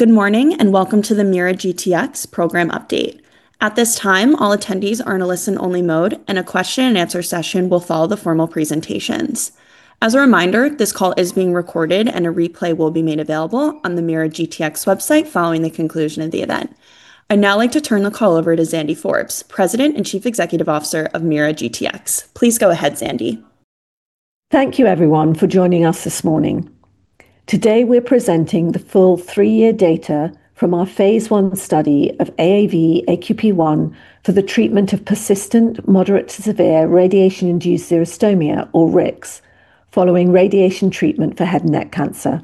Good morning, and welcome to the MeiraGTx program update. At this time, all attendees are in a listen-only mode, and a question-and-answer session will follow the formal presentations. As a reminder, this call is being recorded, and a replay will be made available on the MeiraGTx website following the conclusion of the event. I'd now like to turn the call over to Zandy Forbes, President and Chief Executive Officer of MeiraGTx. Please go ahead, Zandy. Thank you everyone for joining us this morning. Today, we're presenting the full three-year data from our phase I study of AAV-AQP1 for the treatment of persistent moderate to severe radiation-induced xerostomia, or RIX, following radiation treatment for head and neck cancer.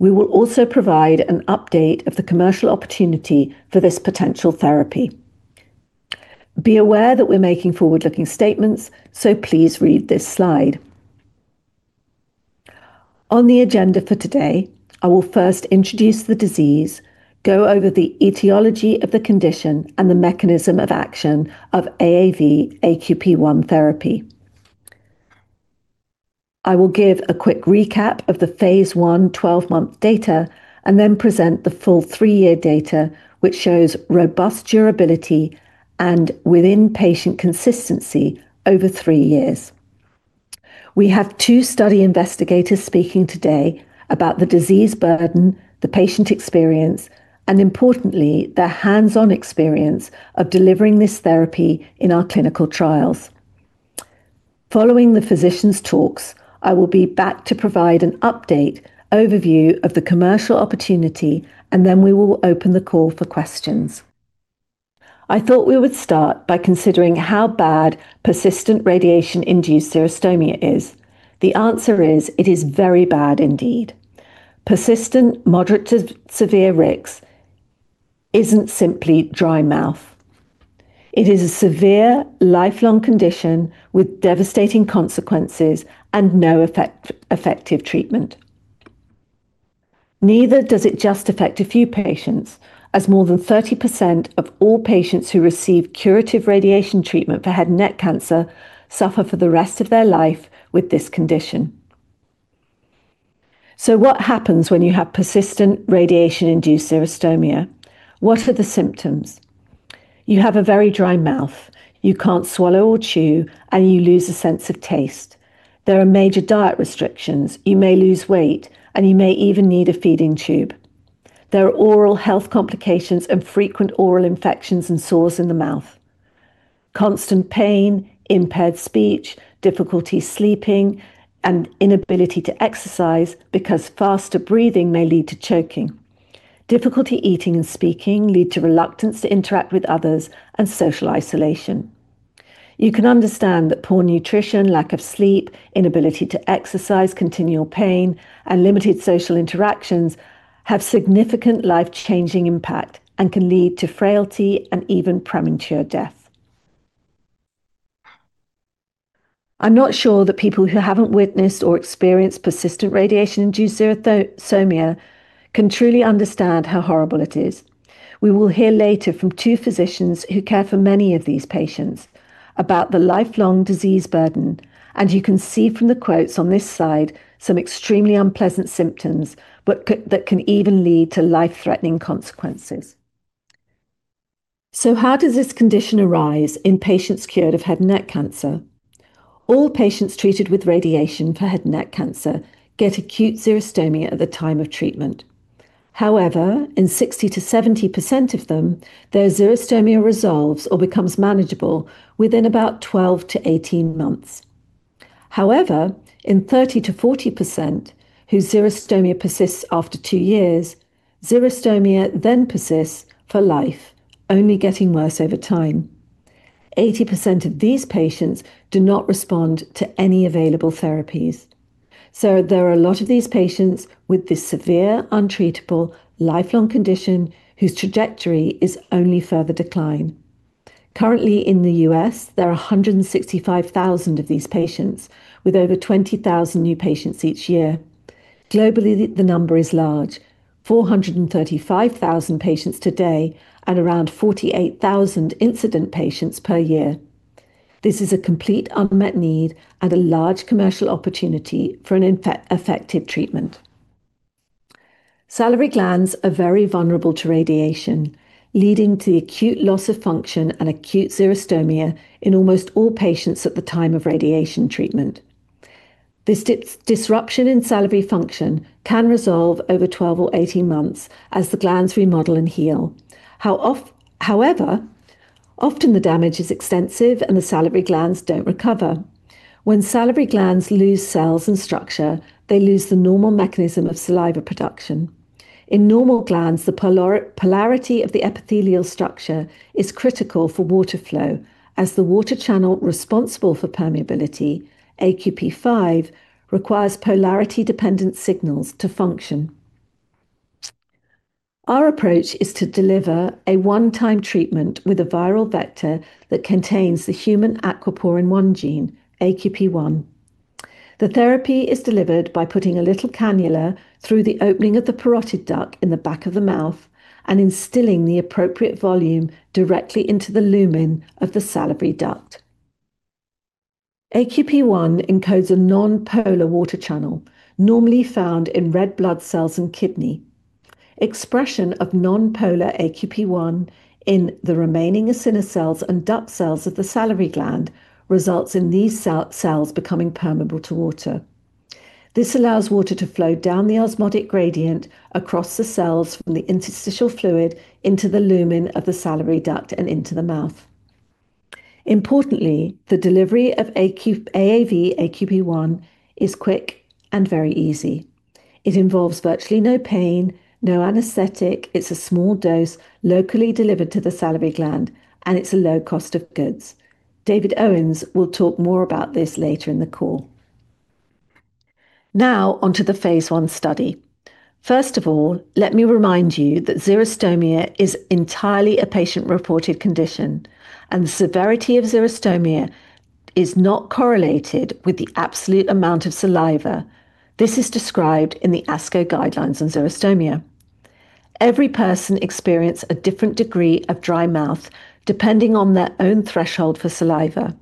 We will also provide an update of the commercial opportunity for this potential therapy. Be aware that we're making forward-looking statements, so please read this slide. On the agenda for today, I will first introduce the disease, go over the etiology of the condition, and the mechanism of action of AAV-AQP1 therapy. I will give a quick recap of the phase I 12-month data and then present the full three-year data, which shows robust durability and within-patient consistency over three years. We have two study investigators speaking today about the disease burden, the patient experience, and importantly, their hands-on experience of delivering this therapy in our clinical trials. Following the physicians' talks, I will be back to provide an update overview of the commercial opportunity, and then we will open the call for questions. I thought we would start by considering how bad persistent radiation-induced xerostomia is. The answer is, it is very bad indeed. Persistent moderate to severe RIX isn't simply dry mouth. It is a severe lifelong condition with devastating consequences and no effective treatment. Neither does it just affect a few patients, as more than 30% of all patients who receive curative radiation treatment for head and neck cancer suffer for the rest of their life with this condition. What happens when you have persistent radiation-induced xerostomia? What are the symptoms? You have a very dry mouth. You can't swallow or chew, and you lose a sense of taste. There are major diet restrictions. You may lose weight, and you may even need a feeding tube. There are oral health complications and frequent oral infections and sores in the mouth, constant pain, impaired speech, difficulty sleeping, and inability to exercise because faster breathing may lead to choking. Difficulty eating and speaking lead to reluctance to interact with others and social isolation. You can understand that poor nutrition, lack of sleep, inability to exercise, continual pain, and limited social interactions have significant life-changing impact and can lead to frailty and even premature death. I'm not sure that people who haven't witnessed or experienced persistent radiation-induced xerostomia can truly understand how horrible it is. We will hear later from two physicians who care for many of these patients about the lifelong disease burden, and you can see from the quotes on this slide some extremely unpleasant symptoms that can even lead to life-threatening consequences. How does this condition arise in patients cured of head and neck cancer? All patients treated with radiation for head and neck cancer get acute xerostomia at the time of treatment. However, in 60%-70% of them, their xerostomia resolves or becomes manageable within about 12-18 months. However, in 30%-40% whose xerostomia persists after two years, xerostomia then persists for life, only getting worse over time. 80% of these patients do not respond to any available therapies. There are a lot of these patients with this severe, untreatable, lifelong condition whose trajectory is only further decline. Currently in the U.S., there are 165,000 of these patients with over 20,000 new patients each year. Globally, the number is large, 435,000 patients today and around 48,000 incident patients per year. This is a complete unmet need and a large commercial opportunity for an effective treatment. Salivary glands are very vulnerable to radiation, leading to the acute loss of function and acute xerostomia in almost all patients at the time of radiation treatment. This disruption in salivary function can resolve over 12 or 18 months as the glands remodel and heal. However, often the damage is extensive, and the salivary glands don't recover. When salivary glands lose cells and structure, they lose the normal mechanism of saliva production. In normal glands, the polarity of the epithelial structure is critical for water flow as the water channel responsible for permeability, AQP5, requires polarity-dependent signals to function. Our approach is to deliver a one-time treatment with a viral vector that contains the human aquaporin-1 gene, AQP1. The therapy is delivered by putting a little cannula through the opening of the parotid duct in the back of the mouth and instilling the appropriate volume directly into the lumen of the salivary duct. AQP1 encodes a non-polar water channel normally found in red blood cells and kidney expression of non-polar AQP1 in the remaining acinar cells and duct cells of the salivary gland results in these cells becoming permeable to water. This allows water to flow down the osmotic gradient across the cells from the interstitial fluid into the lumen of the salivary duct and into the mouth. Importantly, the delivery of AAV-AQP1 is quick and very easy. It involves virtually no pain, no anesthetic. It's a small dose locally delivered to the salivary gland, and it's a low cost of goods. David Owens will talk more about this later in the call. Now onto the phase I study. First of all, let me remind you that xerostomia is entirely a patient-reported condition, and the severity of xerostomia is not correlated with the absolute amount of saliva. This is described in the ASCO guidelines on xerostomia. Every person experience a different degree of dry mouth depending on their own threshold for saliva.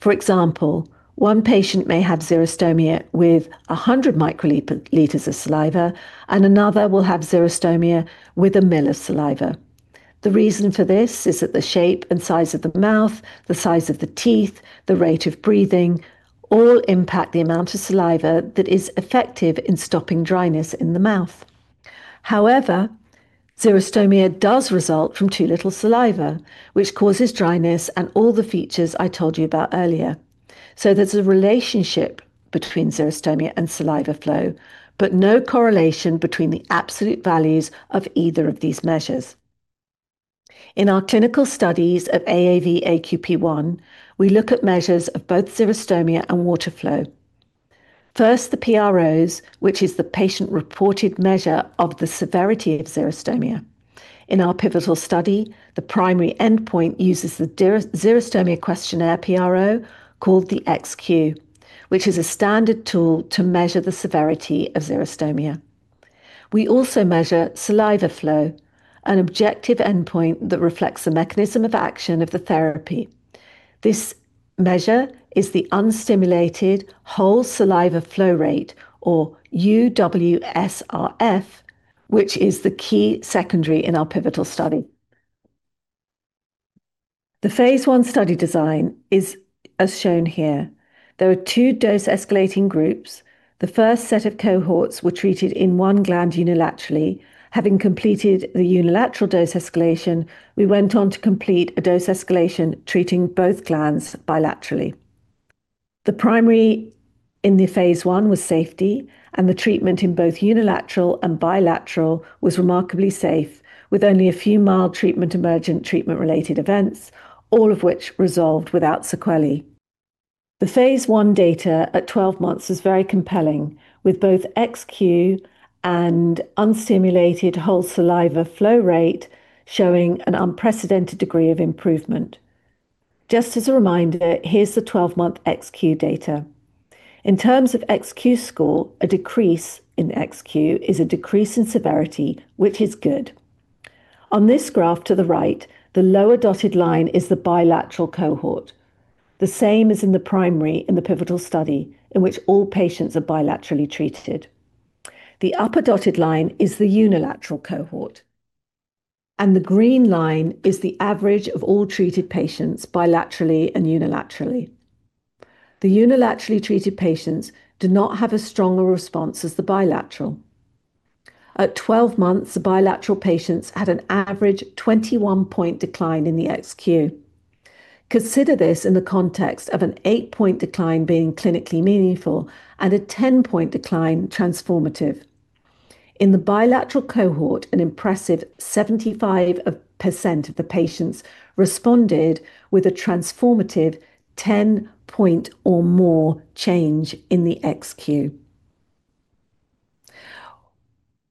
For example, one patient may have xerostomia with 100 mcL of saliva, and another will have xerostomia with a ml of saliva. The reason for this is that the shape and size of the mouth, the size of the teeth, the rate of breathing all impact the amount of saliva that is effective in stopping dryness in the mouth. However, xerostomia does result from too little saliva, which causes dryness and all the features I told you about earlier. There's a relationship between xerostomia and saliva flow, but no correlation between the absolute values of either of these measures. In our clinical studies of AAV-AQP1, we look at measures of both xerostomia and saliva flow. First, the PROs, which is the patient-reported measure of the severity of xerostomia. In our pivotal study, the primary endpoint uses the xerostomia questionnaire PRO called the XQ, which is a standard tool to measure the severity of xerostomia. We also measure saliva flow, an objective endpoint that reflects the mechanism of action of the therapy. This measure is the unstimulated whole saliva flow rate, or UWSFR, which is the key secondary in our pivotal study. The phase I study design is as shown here. There are two dose-escalating groups. The first set of cohorts were treated in one gland unilaterally. Having completed the unilateral dose escalation, we went on to complete a dose escalation treating both glands bilaterally. The primary in the phase I was safety, and the treatment in both unilateral and bilateral was remarkably safe, with only a few mild treatment-emergent treatment-related events, all of which resolved without sequelae. The phase I data at 12 months is very compelling, with both XQ and unstimulated whole saliva flow rate showing an unprecedented degree of improvement. Just as a reminder, here's the 12-month XQ data. In terms of XQ score, a decrease in XQ is a decrease in severity, which is good. On this graph to the right, the lower dotted line is the bilateral cohort, the same as in the primary in the pivotal study in which all patients are bilaterally treated. The upper dotted line is the unilateral cohort, and the green line is the average of all treated patients bilaterally and unilaterally. The unilaterally treated patients do not have as strong a response as the bilateral. At 12 months, the bilateral patients had an average 21-point decline in the XQ. Consider this in the context of an 8-point decline being clinically meaningful and a 10-point decline transformative. In the bilateral cohort, an impressive 75% of the patients responded with a transformative 10-point or more change in the XQ.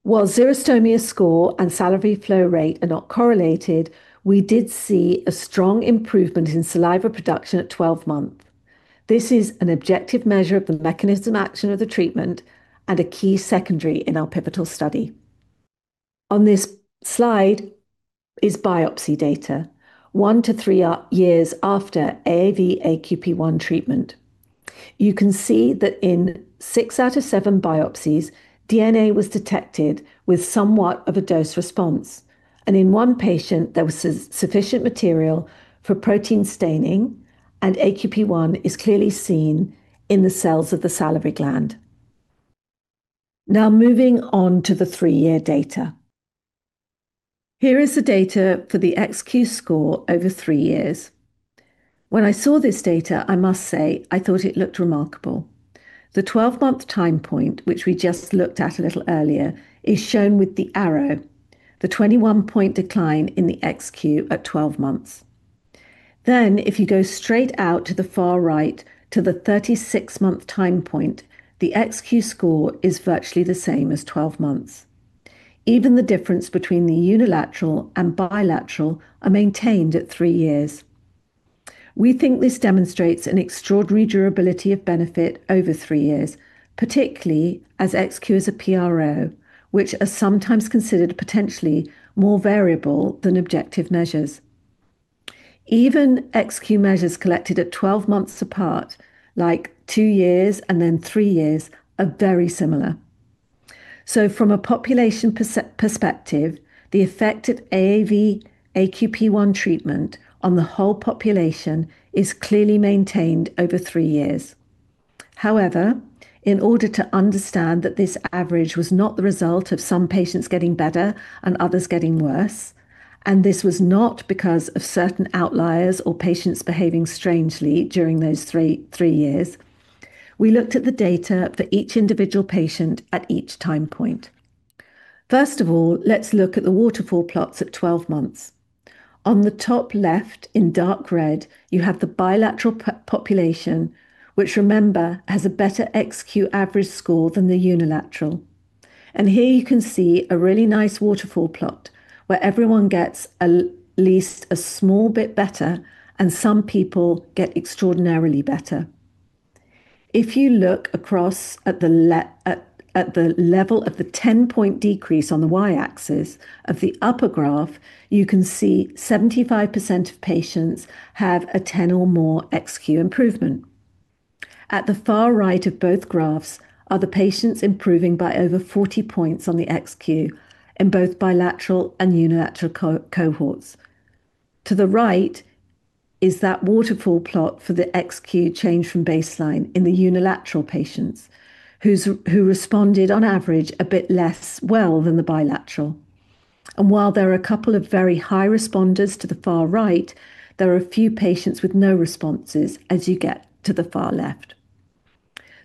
While xerostomia score and salivary flow rate are not correlated, we did see a strong improvement in saliva production at 12 months. This is an objective measure of the mechanism of action of the treatment and a key secondary in our pivotal study. On this slide is biopsy data one to three years after AAV-AQP1 treatment. You can see that in six out of seven biopsies, DNA was detected with somewhat of a dose response, and in one patient there was sufficient material for protein staining, and AQP1 is clearly seen in the cells of the salivary gland. Now moving on to the three-year data. Here is the data for the XQ score over three years. When I saw this data, I must say I thought it looked remarkable. The 12-month time point, which we just looked at a little earlier, is shown with the arrow. The 21-point decline in the XQ at 12 months. Then if you go straight out to the far right to the 36-month time point, the XQ score is virtually the same as 12 months. Even the difference between the unilateral and bilateral are maintained at three years. We think this demonstrates an extraordinary durability of benefit over three years, particularly as XQ is a PRO, which are sometimes considered potentially more variable than objective measures. Even XQ measures collected at 12 months apart, like two years and then three years, are very similar. From a population perspective, the effect of AAV-AQP1 treatment on the whole population is clearly maintained over three years. However, in order to understand that this average was not the result of some patients getting better and others getting worse, and this was not because of certain outliers or patients behaving strangely during those three years, we looked at the data for each individual patient at each time point. First of all, let's look at the waterfall plots at 12 months. On the top left in dark red, you have the bilateral population, which remember, has a better XQ average score than the unilateral. Here you can see a really nice waterfall plot where everyone gets at least a small bit better and some people get extraordinarily better. If you look across at the level of the 10-point decrease on the Y-axis of the upper graph, you can see 75% of patients have a 10 or more XQ improvement. At the far right of both graphs are the patients improving by over 40 points on the XQ in both bilateral and unilateral cohorts. To the right is that waterfall plot for the XQ change from baseline in the unilateral patients who responded on average a bit less well than the bilateral. While there are a couple of very high responders to the far right, there are a few patients with no responses as you get to the far left.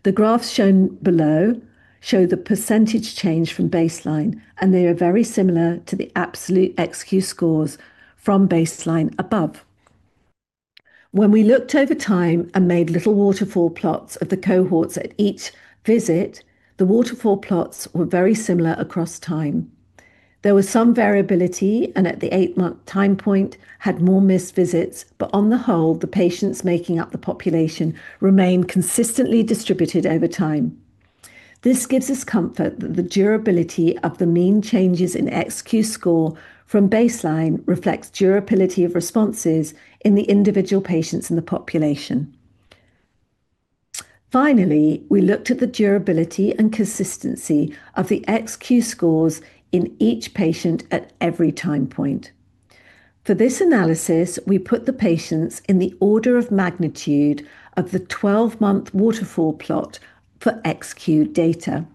The graphs shown below show the percentage change from baseline, and they are very similar to the absolute XQ scores from baseline above. When we looked over time and made little waterfall plots of the cohorts at each visit, the waterfall plots were very similar across time. There was some variability, and at the eight-month time point had more missed visits, but on the whole, the patients making up the population remained consistently distributed over time. This gives us comfort that the durability of the mean changes in XQ score from baseline reflects durability of responses in the individual patients in the population. Finally, we looked at the durability and consistency of the XQ scores in each patient at every time point. For this analysis, we put the patients in the order of magnitude of the 12-month waterfall plot for XQ data.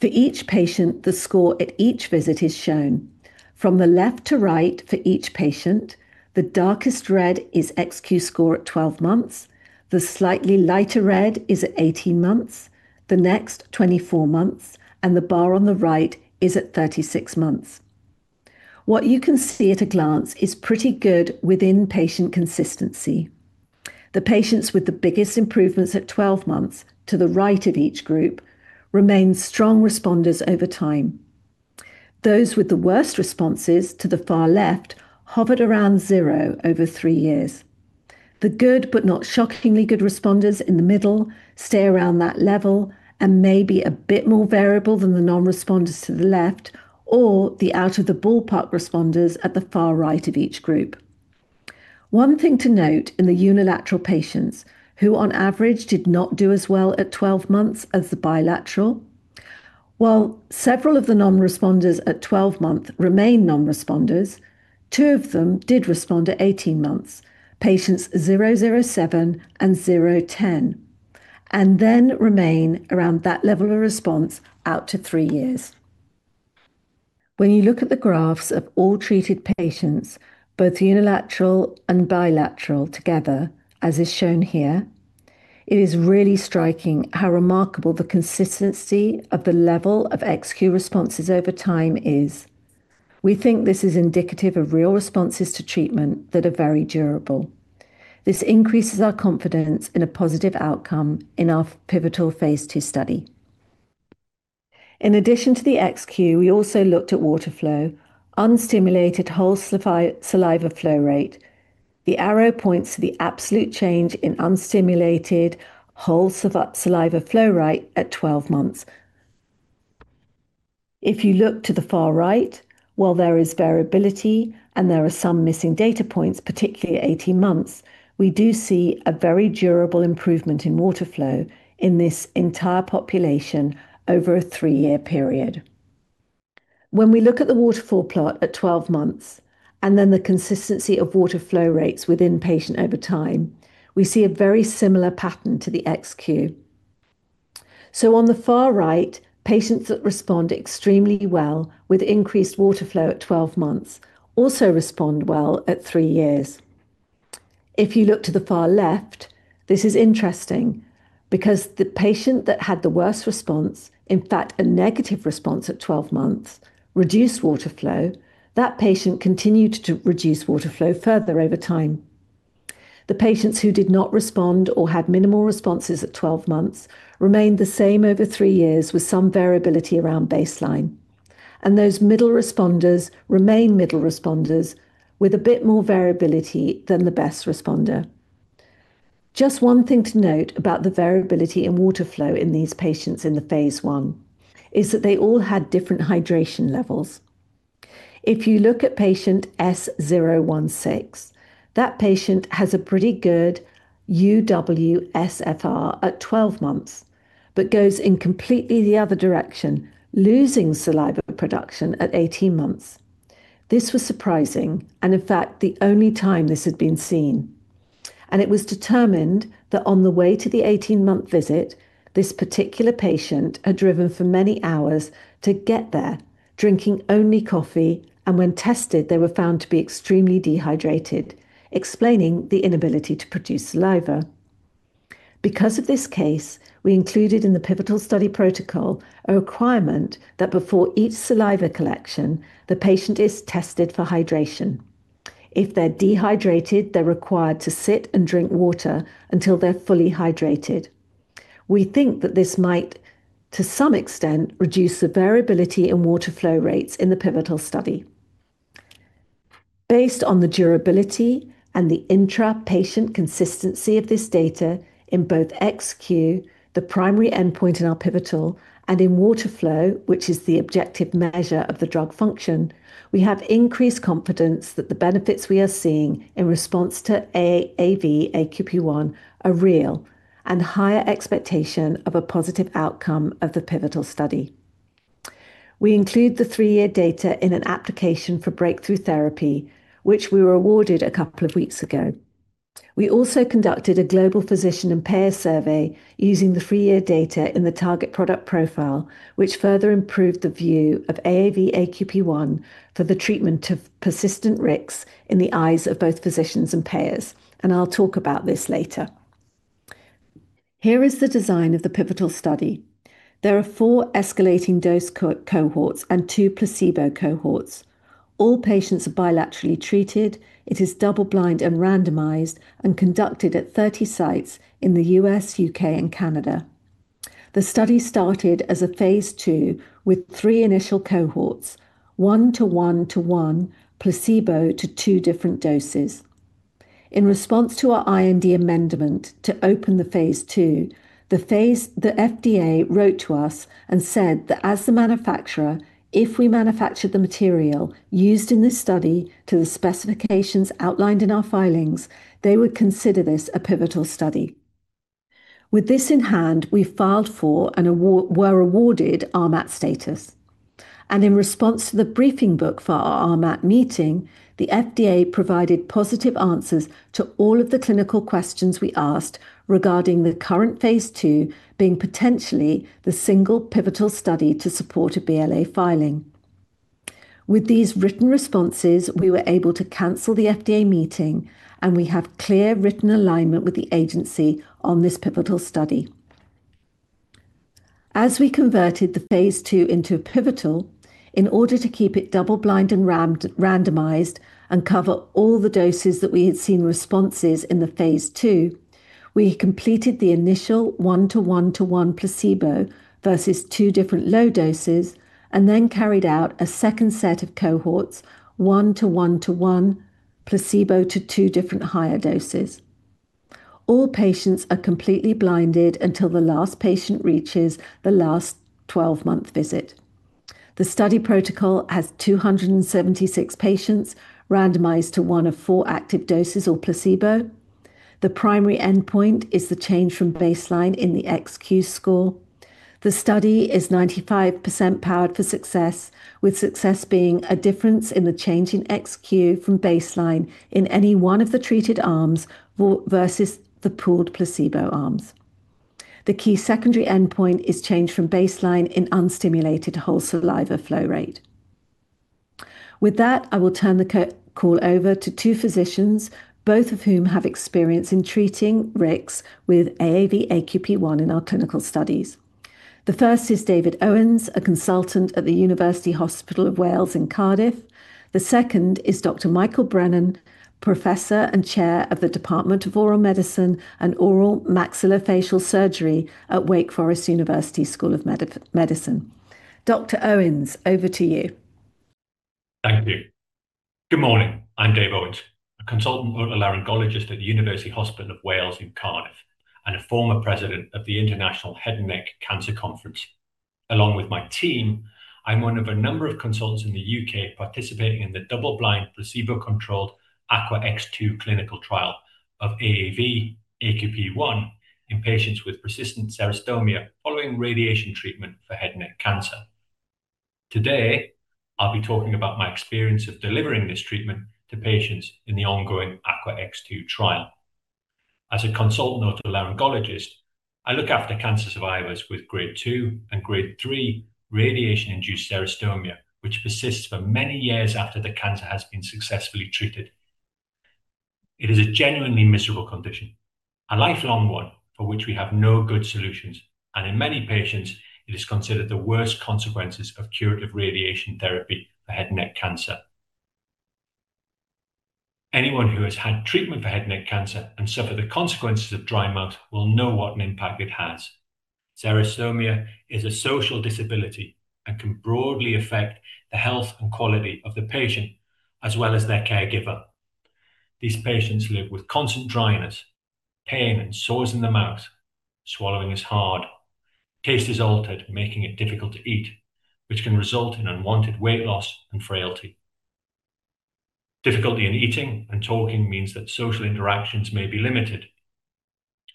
For each patient, the score at each visit is shown. From the left to right for each patient, the darkest red is XQ score at 12 months, the slightly lighter red is at 18 months, the next 24 months, and the bar on the right is at 36 months. What you can see at a glance is pretty good within-patient consistency. The patients with the biggest improvements at 12 months to the right of each group remained strong responders over time. Those with the worst responses to the far left hovered around zero over three years. The good but not shockingly good responders in the middle stay around that level and may be a bit more variable than the non-responders to the left or the out of the ballpark responders at the far right of each group. One thing to note in the unilateral patients, who on average did not do as well at 12 months as the bilateral. While several of the non-responders at 12 months remained non-responders, two of them did respond to 18 months, patients 007 and 010, and then remain around that level of response out to three years. When you look at the graphs of all treated patients, both unilateral and bilateral together, as is shown here, it is really striking how remarkable the consistency of the level of XQ responses over time is. We think this is indicative of real responses to treatment that are very durable. This increases our confidence in a positive outcome in our pivotal phase II study. In addition to the XQ, we also looked at water flow, unstimulated whole saliva flow rate. The arrow points to the absolute change in unstimulated whole saliva flow rate at 12 months. If you look to the far right, while there is variability and there are some missing data points, particularly at 18 months, we do see a very durable improvement in water flow in this entire population over a three-year period. When we look at the waterfall plot at 12 months and then the consistency of water flow rates within patient over time, we see a very similar pattern to the XQ. On the far right, patients that respond extremely well with increased water flow at 12 months also respond well at three years. If you look to the far left, this is interesting because the patient that had the worst response, in fact a negative response at 12 months, reduced water flow. That patient continued to reduce water flow further over time. The patients who did not respond or had minimal responses at 12 months remained the same over three years with some variability around baseline. Those middle responders remain middle responders with a bit more variability than the best responder. Just one thing to note about the variability in water flow in these patients in the phase I is that they all had different hydration levels. If you look at patient S016, that patient has a pretty good UWSFR at 12 months but goes in completely the other direction, losing saliva production at 18 months. This was surprising and in fact, the only time this had been seen, and it was determined that on the way to the 18-month visit, this particular patient had driven for many hours to get there, drinking only coffee, and when tested, they were found to be extremely dehydrated, explaining the inability to produce saliva. Because of this case, we included in the pivotal study protocol a requirement that before each saliva collection, the patient is tested for hydration. If they're dehydrated, they're required to sit and drink water until they're fully hydrated. We think that this might, to some extent, reduce the variability in water flow rates in the pivotal study. Based on the durability and the intra-patient consistency of this data in both XQ, the primary endpoint in our pivotal, and in water flow, which is the objective measure of the drug function, we have increased confidence that the benefits we are seeing in response to AAV-AQP1 are real, and higher expectation of a positive outcome of the pivotal study. We include the three-year data in an application for breakthrough therapy, which we were awarded a couple of weeks ago. We also conducted a global physician and payer survey using the three-year data in the target product profile, which further improved the view of AAV-AQP1 for the treatment of persistent RIX in the eyes of both physicians and payers, and I'll talk about this later. Here is the design of the pivotal study. There are four escalating dose cohorts and two placebo cohorts. All patients are bilaterally treated. It is double-blind and randomized and conducted at 30 sites in the U.S., U.K., and Canada. The study started as a phase II with three initial cohorts, 1:1:1 placebo to two different doses. In response to our IND amendment to open the phase II, the FDA wrote to us and said that as the manufacturer, if we manufactured the material used in this study to the specifications outlined in our filings, they would consider this a pivotal study. With this in hand, we filed for and were awarded RMAT status. In response to the briefing book for our RMAT meeting, the FDA provided positive answers to all of the clinical questions we asked regarding the current phase II being potentially the single pivotal study to support a BLA filing. With these written responses, we were able to cancel the FDA meeting, and we have clear written alignment with the agency on this pivotal study. As we converted the phase II into a pivotal, in order to keep it double-blind and randomized and cover all the doses that we had seen responses in the phase II, we completed the initial 1:1:1 placebo versus two different low doses and then carried out a second set of cohorts, 1:1:1 placebo to two different higher doses. All patients are completely blinded until the last patient reaches the last 12-month visit. The study protocol has 276 patients randomized to one of four active doses or placebo. The primary endpoint is the change from baseline in the XQ score. The study is 95% powered for success, with success being a difference in the change in XQ from baseline in any one of the treated arms versus the pooled placebo arms. The key secondary endpoint is change from baseline in unstimulated whole salivary flow rate. With that, I will turn the call over to two physicians, both of whom have experience in treating RIX with AAV-AQP1 in our clinical studies. The first is David Owens, a Consultant at the University Hospital of Wales in Cardiff. The second is Dr. Michael Brennan, Professor and Chair of the Department of Oral Medicine and Oral and Maxillofacial Surgery at Wake Forest University School of Medicine. Dr. Owens, over to you. Thank you. Good morning. I'm David Owens, a Consultant Otolaryngologist at the University Hospital of Wales in Cardiff, and a former President of the International Head and Neck Cancer Conference. Along with my team, I'm one of a number of consultants in the U.K. participating in the double-blind, placebo-controlled AQUAx2 clinical trial of AAV-AQP1 in patients with persistent xerostomia following radiation treatment for head and neck cancer. Today, I'll be talking about my experience of delivering this treatment to patients in the ongoing AQUAx2 trial. As a Consultant Otolaryngologist, I look after cancer survivors with Grade 2 and Grade 3 radiation-induced xerostomia, which persists for many years after the cancer has been successfully treated. It is a genuinely miserable condition, a lifelong one for which we have no good solutions, and in many patients, it is considered the worst consequences of curative radiation therapy for head and neck cancer. Anyone who has had treatment for head and neck cancer and suffered the consequences of dry mouth will know what an impact it has. Xerostomia is a social disability and can broadly affect the health and quality of the patient, as well as their caregiver. These patients live with constant dryness, pain, and sores in the mouth. Swallowing is hard. Taste is altered, making it difficult to eat, which can result in unwanted weight loss and frailty. Difficulty in eating and talking means that social interactions may be limited.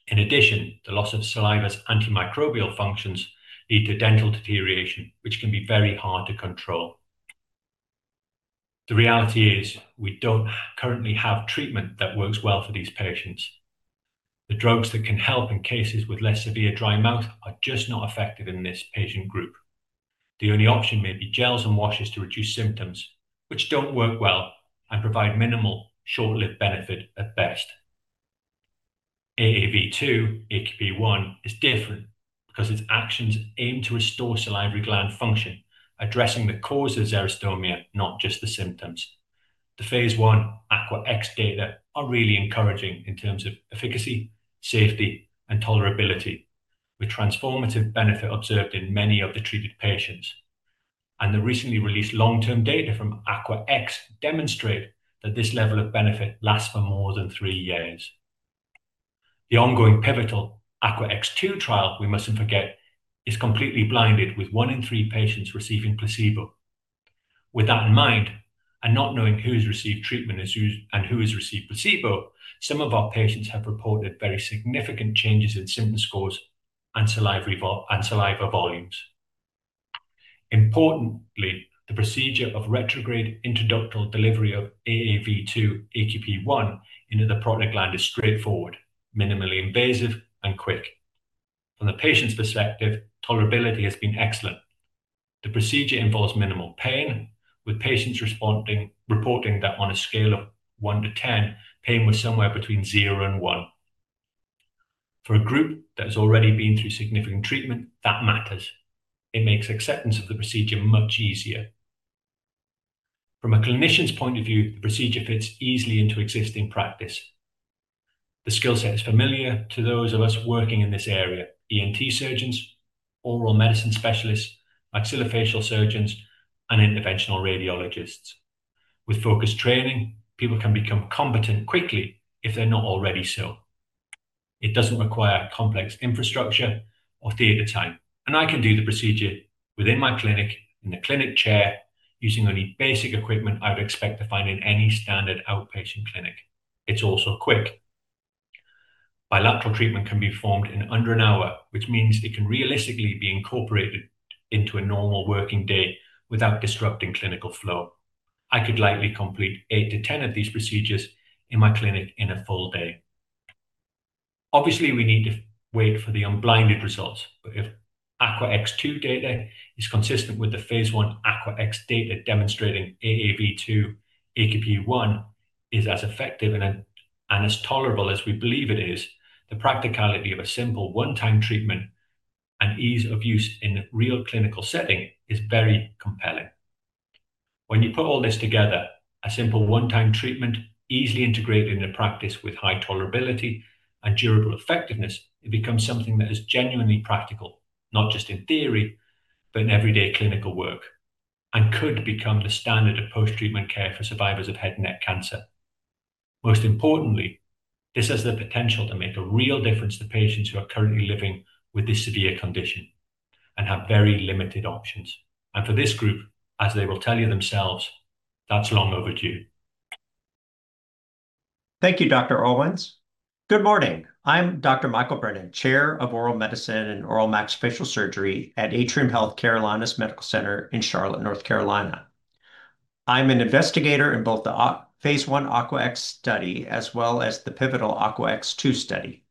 In addition, the loss of saliva's antimicrobial functions lead to dental deterioration, which can be very hard to control. The reality is we don't currently have treatment that works well for these patients. The drugs that can help in cases with less severe dry mouth are just not effective in this patient group. The only option may be gels and washes to reduce symptoms, which don't work well and provide minimal short-lived benefit at best. AAV2-hAQP1 is different because its actions aim to restore salivary gland function, addressing the cause of xerostomia, not just the symptoms. The phase I AQUAx data are really encouraging in terms of efficacy, safety, and tolerability, with transformative benefit observed in many of the treated patients. The recently released long-term data from AQUAx demonstrate that this level of benefit lasts for more than three years. The ongoing pivotal AQUAx2 trial, we mustn't forget, is completely blinded with one in three patients receiving placebo. With that in mind, and not knowing who has received treatment and who has received placebo, some of our patients have reported very significant changes in symptom scores and saliva volumes. Importantly, the procedure of retrograde intraductal delivery of AAV2-AQP1 into the parotid gland is straightforward, minimally invasive, and quick. From the patient's perspective, tolerability has been excellent. The procedure involves minimal pain, with patients reporting that on a scale of one to 10, pain was somewhere between zero and one. For a group that has already been through significant treatment, that matters. It makes acceptance of the procedure much easier. From a clinician's point of view, the procedure fits easily into existing practice. The skill set is familiar to those of us working in this area, ENT surgeons, oral medicine specialists, maxillofacial surgeons, and interventional radiologists. With focused training, people can become competent quickly if they're not already so. It doesn't require complex infrastructure or theater time, and I can do the procedure within my clinic in the clinic chair using only basic equipment I would expect to find in any standard outpatient clinic. It's also quick. Bilateral treatment can be performed in under an hour, which means it can realistically be incorporated into a normal working day without disrupting clinical flow. I could likely complete eight to 10 of these procedures in my clinic in a full day. Obviously, we need to wait for the unblinded results, but if AQUAx2 data is consistent with the phase I AQUAx data demonstrating AAV2-AQP1 is as effective and as tolerable as we believe it is, the practicality of a simple one-time treatment and ease of use in real clinical setting is very compelling. When you put all this together, a simple one-time treatment, easily integrated into practice with high tolerability and durable effectiveness, it becomes something that is genuinely practical, not just in theory, but in everyday clinical work, and could become the standard of post-treatment care for survivors of head and neck cancer. Most importantly, this has the potential to make a real difference to patients who are currently living with this severe condition and have very limited options. For this group, as they will tell you themselves, that's long overdue. Thank you, Dr. Owens. Good morning. I'm Dr. Michael Brennan, Chair of Oral Medicine and Oral Maxillofacial Surgery at Atrium Health Carolinas Medical Center in Charlotte, North Carolina. I'm an investigator in both the phase I AQUAx study as well as the pivotal AQUAx2 study.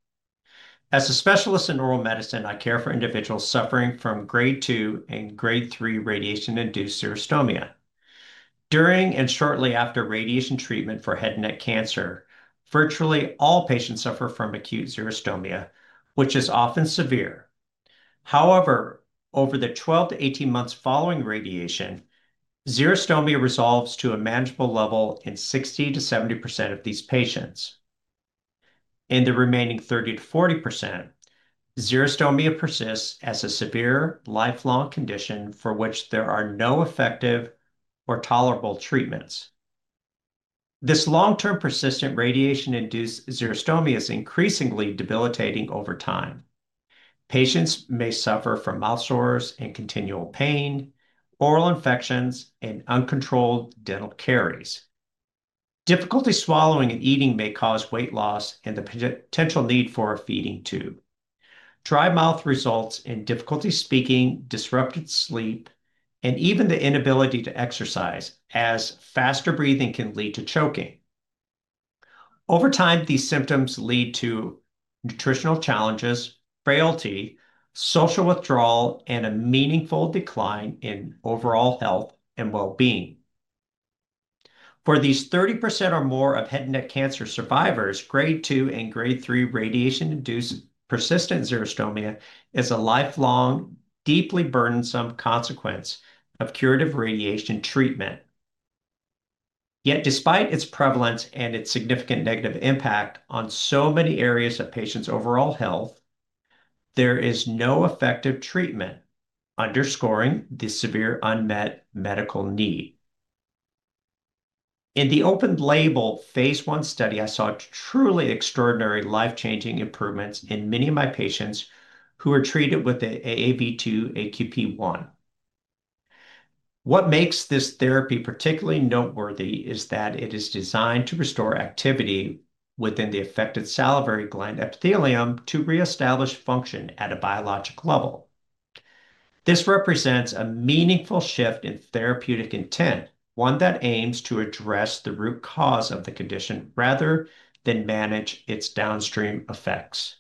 As a specialist in oral medicine, I care for individuals suffering from Grade 2 and Grade 3 radiation-induced xerostomia. During and shortly after radiation treatment for head and neck cancer, virtually all patients suffer from acute xerostomia, which is often severe. However, over the 12- to 18-month period following radiation, xerostomia resolves to a manageable level in 60%-70% of these patients. In the remaining 30%-40%, xerostomia persists as a severe lifelong condition for which there are no effective or tolerable treatments. This long-term persistent radiation-induced xerostomia is increasingly debilitating over time. Patients may suffer from mouth sores and continual pain, oral infections, and uncontrolled dental caries. Difficulty swallowing and eating may cause weight loss and the potential need for a feeding tube. Dry mouth results in difficulty speaking, disrupted sleep, and even the inability to exercise, as faster breathing can lead to choking. Over time, these symptoms lead to nutritional challenges, frailty, social withdrawal, and a meaningful decline in overall health and well-being. For these 30% or more of head and neck cancer survivors, Grade 2 and Grade 3 radiation-induced persistent xerostomia is a lifelong, deeply burdensome consequence of curative radiation treatment. Despite its prevalence and its significant negative impact on so many areas of patients' overall health, there is no effective treatment, underscoring the severe unmet medical need. In the open-label phase I study, I saw truly extraordinary life-changing improvements in many of my patients who were treated with the AAV2-AQP1. What makes this therapy particularly noteworthy is that it is designed to restore activity within the affected salivary gland epithelium to reestablish function at a biologic level. This represents a meaningful shift in therapeutic intent, one that aims to address the root cause of the condition rather than manage its downstream effects.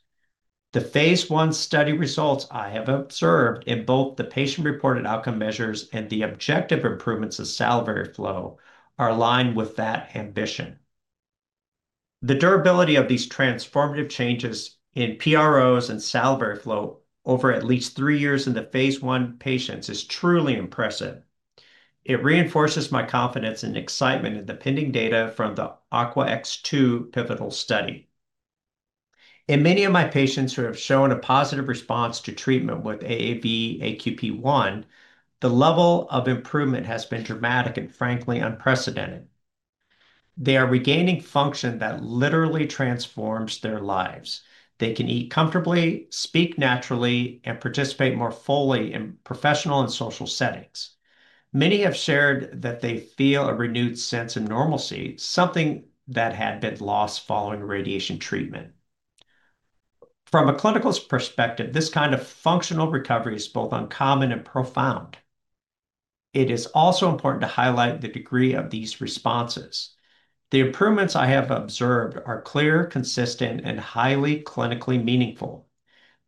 The phase I study results I have observed in both the patient-reported outcome measures and the objective improvements of salivary flow are aligned with that ambition. The durability of these transformative changes in PROs and salivary flow over at least three years in the phase I patients is truly impressive. It reinforces my confidence and excitement in the pending data from the AQUAx2 pivotal study. In many of my patients who have shown a positive response to treatment with AAV-AQP1, the level of improvement has been dramatic and frankly, unprecedented. They are regaining function that literally transforms their lives. They can eat comfortably, speak naturally, and participate more fully in professional and social settings. Many have shared that they feel a renewed sense of normalcy, something that had been lost following radiation treatment. From a clinical perspective, this kind of functional recovery is both uncommon and profound. It is also important to highlight the degree of these responses. The improvements I have observed are clear, consistent, and highly clinically meaningful.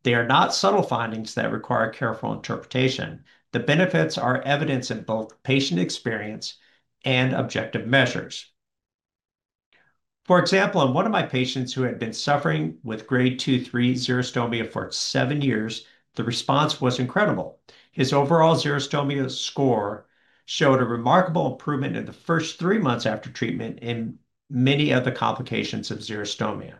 They are not subtle findings that require careful interpretation. The benefits are evident in both patient experience and objective measures. For example, in one of my patients who had been suffering with Grade 2/3 xerostomia for seven years, the response was incredible. His overall xerostomia score showed a remarkable improvement in the first three months after treatment in many of the complications of xerostomia.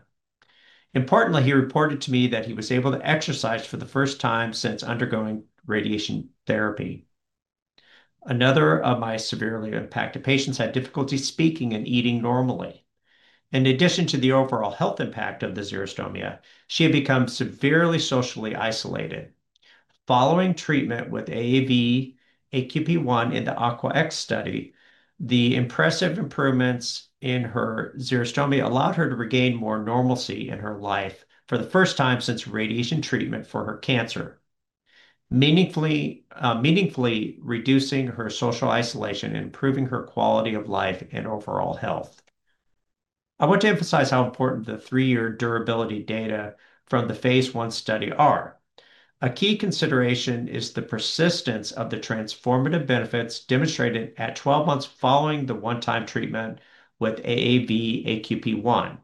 Importantly, he reported to me that he was able to exercise for the first time since undergoing radiation therapy. Another of my severely impacted patients had difficulty speaking and eating normally. In addition to the overall health impact of the xerostomia, she had become severely socially isolated. Following treatment with AAV-AQP1 in the AQUAx study, the impressive improvements in her xerostomia allowed her to regain more normalcy in her life for the first time since radiation treatment for her cancer, meaningfully reducing her social isolation and improving her quality of life and overall health. I want to emphasize how important the three-year durability data from the phase I study are. A key consideration is the persistence of the transformative benefits demonstrated at 12 months following the one-time treatment with AAV-AQP1.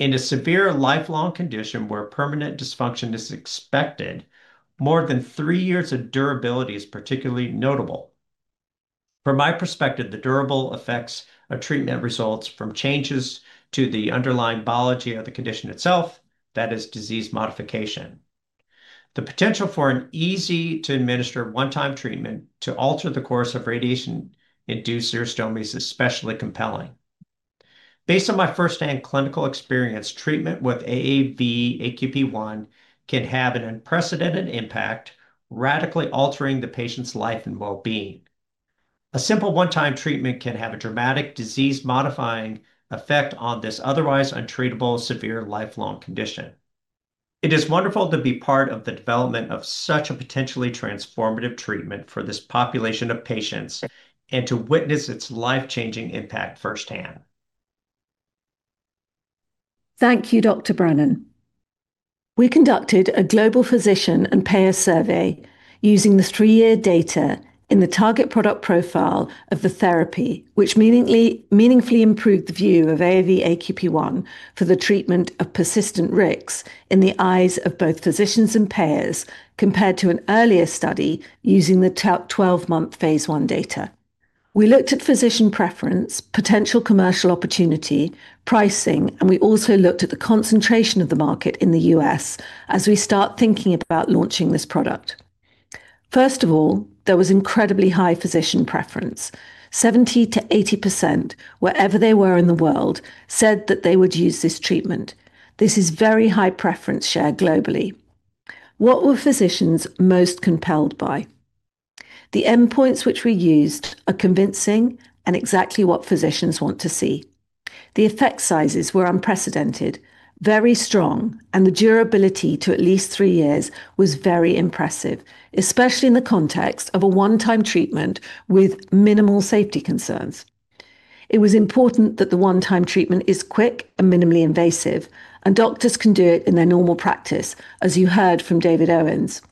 In a severe lifelong condition where permanent dysfunction is expected, more than three years of durability is particularly notable. From my perspective, the durable effects of treatment results from changes to the underlying biology of the condition itself, that is disease modification. The potential for an easy-to-administer one-time treatment to alter the course of radiation-induced xerostomia is especially compelling. Based on my firsthand clinical experience, treatment with AAV-AQP1 can have an unprecedented impact, radically altering the patient's life and well-being. A simple one-time treatment can have a dramatic disease-modifying effect on this otherwise untreatable, severe, lifelong condition. It is wonderful to be part of the development of such a potentially transformative treatment for this population of patients, and to witness its life-changing impact firsthand. Thank you, Dr. Brennan. We conducted a global physician and payer survey using the three-year data in the target product profile of the therapy, which meaningfully improved the view of AAV-AQP1 for the treatment of persistent RIX in the eyes of both physicians and payers, compared to an earlier study using the 12-month phase I data. We looked at physician preference, potential commercial opportunity, pricing, and we also looked at the concentration of the market in the U.S. as we start thinking about launching this product. First of all, there was incredibly high physician preference. 70%-80%, wherever they were in the world, said that they would use this treatment. This is very high preference share globally. What were physicians most compelled by? The endpoints which we used are convincing and exactly what physicians want to see. The effect sizes were unprecedented, very strong, and the durability to at least three years was very impressive, especially in the context of a one-time treatment with minimal safety concerns. It was important that the one-time treatment is quick and minimally invasive, and doctors can do it in their normal practice, as you heard from David Owens.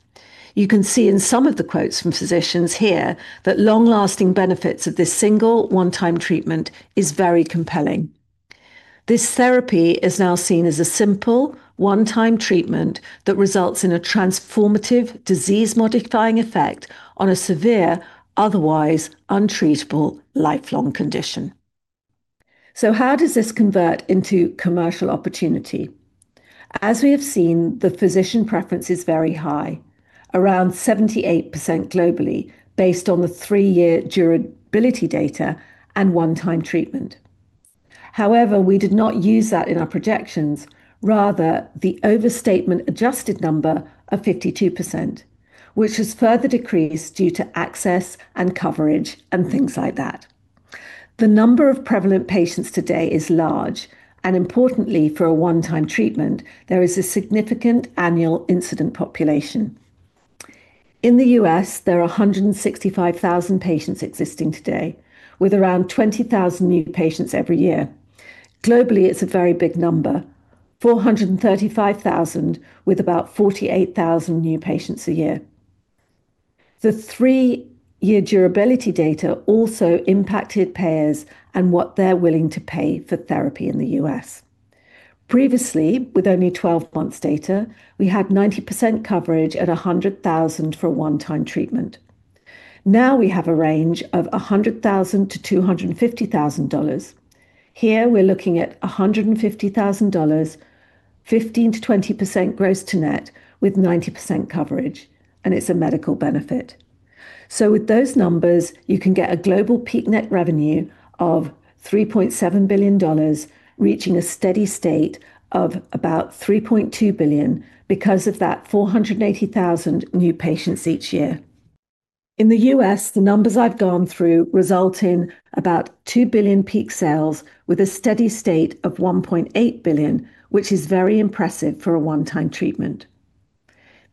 You can see in some of the quotes from physicians here that long-lasting benefits of this single one-time treatment is very compelling. This therapy is now seen as a simple one-time treatment that results in a transformative disease-modifying effect on a severe, otherwise untreatable, lifelong condition. How does this convert into commercial opportunity? As we have seen, the physician preference is very high, around 78% globally based on the three-year durability data and one-time treatment. However, we did not use that in our projections, rather the overstatement adjusted number of 52%, which has further decreased due to access and coverage and things like that. The number of prevalent patients today is large, and importantly for a one-time treatment, there is a significant annual incidence population. In the U.S., there are 165,000 patients existing today with around 20,000 new patients every year. Globally, it's a very big number, 435,000 with about 48,000 new patients a year. The three-year durability data also impacted payers and what they're willing to pay for therapy in the U.S. Previously, with only 12 months data, we had 90% coverage at $100,000 for a one-time treatment. Now we have a range of $100,000-$250,000. Here we're looking at $150,000, 15%-20% gross to net with 90% coverage, and it's a medical benefit. With those numbers, you can get a global peak net revenue of $3.7 billion, reaching a steady state of about $3.2 billion because of that 480,000 new patients each year. In the U.S., the numbers I've gone through result in about $2 billion peak sales with a steady state of $1.8 billion, which is very impressive for a one-time treatment.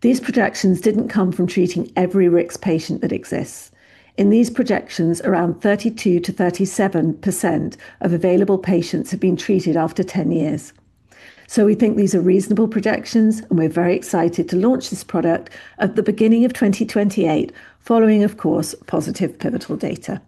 These projections didn't come from treating every risk patient that exists. In these projections, around 32%-37% of available patients have been treated after 10 years. We think these are reasonable projections, and we're very excited to launch this product at the beginning of 2028, following, of course, positive pivotal data.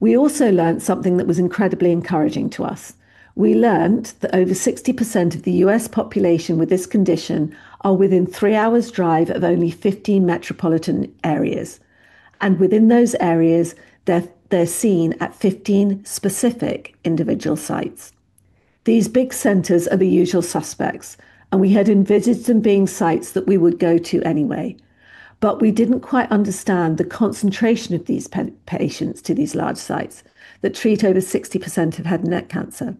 We also learned something that was incredibly encouraging to us. We learned that over 60% of the U.S. population with this condition are within three hours' drive of only 15 metropolitan areas. Within those areas, they're seen at 15 specific individual sites. These big centers are the usual suspects, and we had envisaged them being sites that we would go to anyway. We didn't quite understand the concentration of these patients to these large sites that treat over 60% of head and neck cancer.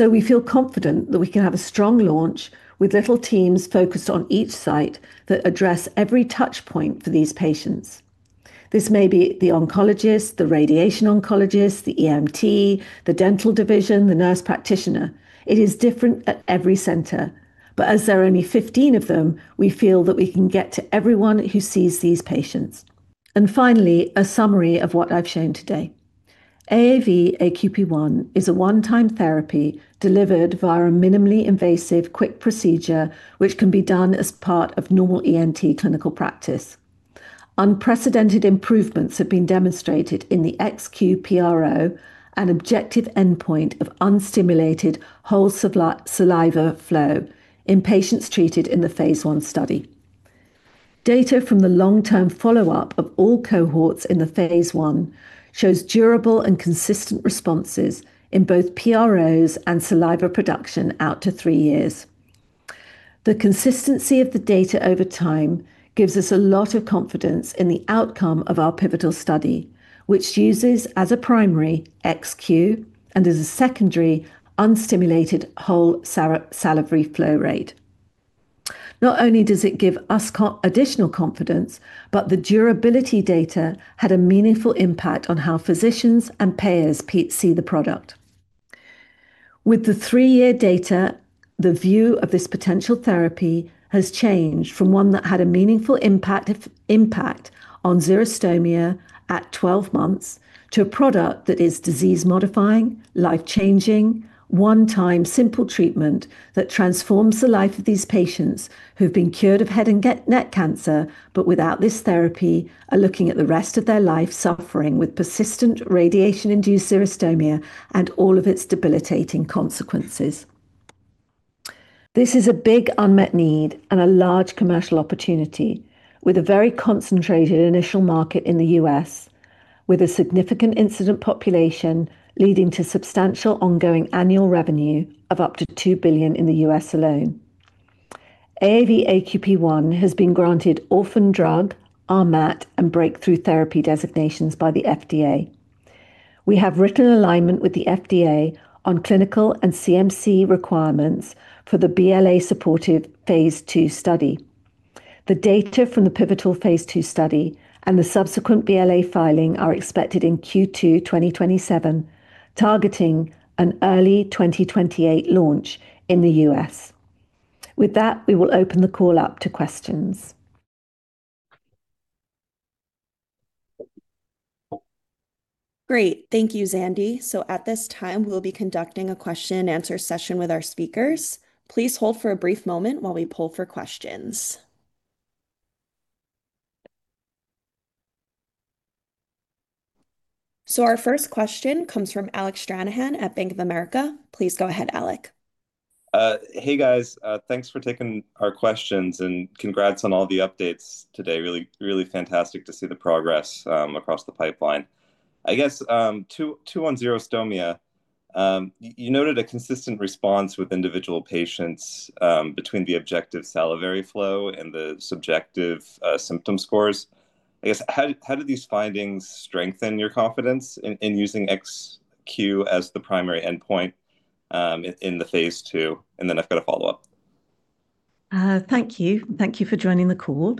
We feel confident that we can have a strong launch with little teams focused on each site that address every touch point for these patients. This may be the oncologist, the radiation oncologist, the ENT, the dental division, the nurse practitioner. It is different at every center. As there are only 15 of them, we feel that we can get to everyone who sees these patients. Finally, a summary of what I've shown today. AAV-AQP1 is a one-time therapy delivered via a minimally invasive quick procedure which can be done as part of normal ENT clinical practice. Unprecedented improvements have been demonstrated in the XQ PRO and objective endpoint of unstimulated whole saliva flow in patients treated in the phase I study. Data from the long-term follow-up of all cohorts in the phase I shows durable and consistent responses in both PROs and saliva production out to three years. The consistency of the data over time gives us a lot of confidence in the outcome of our pivotal study, which uses as a primary XQ and as a secondary unstimulated whole salivary flow rate. Not only does it give us additional confidence, but the durability data had a meaningful impact on how physicians and payers see the product. With the three-year data, the view of this potential therapy has changed from one that had a meaningful impact on xerostomia at 12 months to a product that is disease-modifying, life-changing, one-time simple treatment that transforms the life of these patients who've been cured of head and neck cancer, but without this therapy, are looking at the rest of their life suffering with persistent radiation-induced xerostomia and all of its debilitating consequences. This is a big unmet need and a large commercial opportunity with a very concentrated initial market in the U.S., with a significant incident population leading to substantial ongoing annual revenue of up to $2 billion in the U.S. alone. AAV-AQP1 has been granted orphan drug, RMAT, and breakthrough therapy designations by the FDA. We have written alignment with the FDA on clinical and CMC requirements for the BLA-supportive phase II study. The data from the pivotal phase II study and the subsequent BLA filing are expected in Q2 2027, targeting an early 2028 launch in the U.S. With that, we will open the call up to questions. Great. Thank you, Zandy. At this time, we'll be conducting a question and answer session with our speakers. Please hold for a brief moment while we poll for questions. Our first question comes from Alec Stranahan at Bank of America. Please go ahead, Alec. Hey, guys. Thanks for taking our questions, and congrats on all the updates today. Really fantastic to see the progress across the pipeline. I guess, two on xerostomia. You noted a consistent response with individual patients between the objective salivary flow and the subjective symptom scores. I guess, how do these findings strengthen your confidence in using XQ as the primary endpoint in the phase II? And then I've got a follow-up. Thank you. Thank you for joining the call.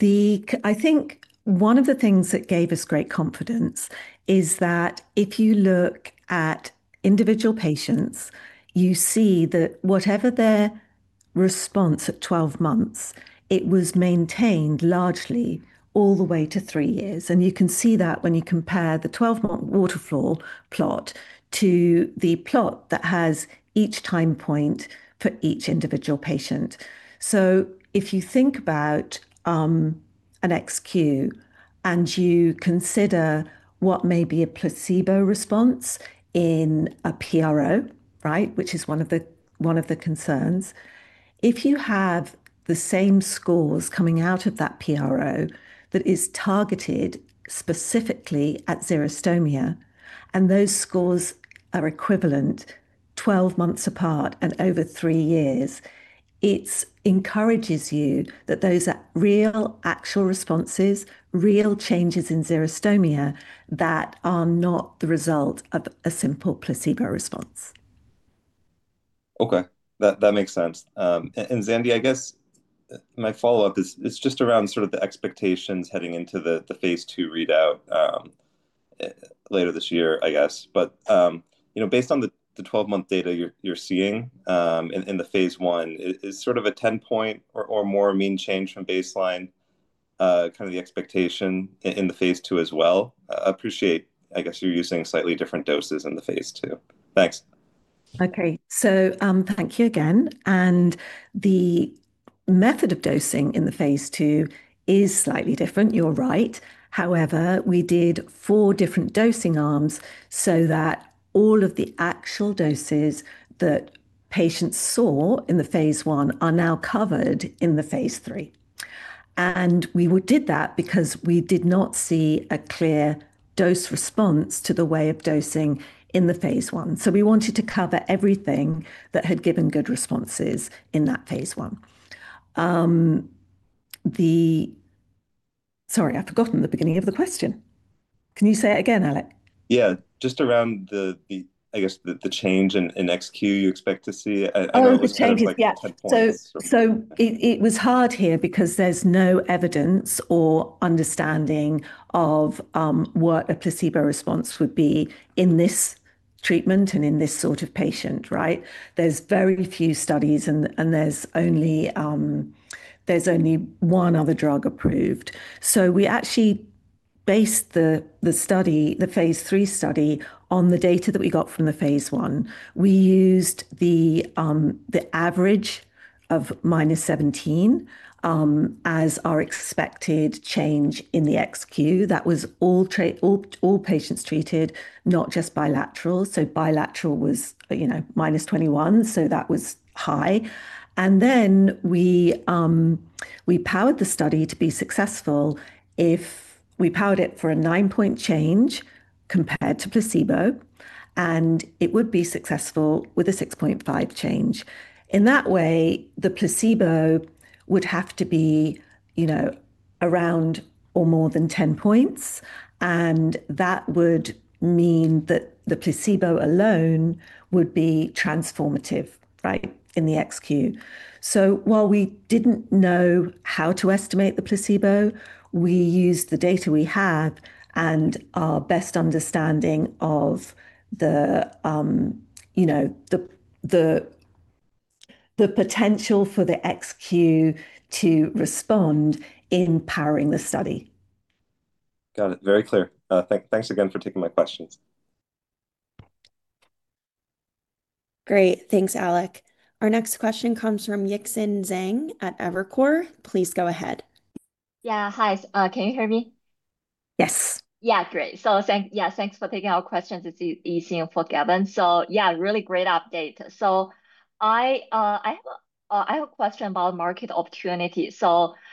I think one of the things that gave us great confidence is that if you look at individual patients, you see that whatever their response at 12 months, it was maintained largely all the way to three years. You can see that when you compare the 12-month water flow plot to the plot that has each time point for each individual patient. If you think about an XQ and you consider what may be a placebo response in a PRO, right, which is one of the concerns, if you have the same scores coming out of that PRO that is targeted specifically at xerostomia, and those scores are equivalent 12 months apart and over three years, it encourages you that those are real, actual responses, real changes in xerostomia that are not the result of a simple placebo response. Okay. That makes sense. Zandy, I guess my follow-up is just around sort of the expectations heading into the phase II readout later this year, I guess. Based on the 12-month data you're seeing in the phase I, is sort of a 10-point or more mean change from baseline kind of the expectation in the phase II as well? I appreciate, I guess, you're using slightly different doses in the phase II. Thanks. Okay. Thank you again. The method of dosing in the phase II is slightly different, you're right. However, we did four different dosing arms so that all of the actual doses that patients saw in the phase I are now covered in the phase III. We did that because we did not see a clear dose response to the way of dosing in the phase I. We wanted to cover everything that had given good responses in that phase I. Sorry, I've forgotten the beginning of the question. Can you say it again, Alec? Yeah. Just around, I guess, the change in XQ you expect to see. I know it was kind of like. Oh, the change. Yeah 10 points. It was hard here because there's no evidence or understanding of what a placebo response would be in this treatment and in this sort of patient, right? There's very few studies and there's only one other drug approved. We actually based the phase III study on the data that we got from the phase I. We used the average of -17 as our expected change in the XQ. That was all patients treated, not just bilateral. Bilateral was -21, so that was high. We powered the study to be successful if we powered it for a 9-point change compared to placebo, and it would be successful with a 6.5 change. In that way, the placebo would have to be around or more than 10 points, and that would mean that the placebo alone would be transformative, right, in the XQ. While we didn't know how to estimate the placebo, we used the data we had and our best understanding of the potential for the XQ to respond in powering the study. Got it. Very clear. Thanks again for taking my questions. Great. Thanks, Alec. Our next question comes from Yixin Zheng at Evercore. Please go ahead. Yeah. Hi. Can you hear me? Yes. Yeah, great. Thanks, yeah, thanks for taking our questions. It's Yixin for Gavin. Yeah, really great update. I have a question about market opportunity. Out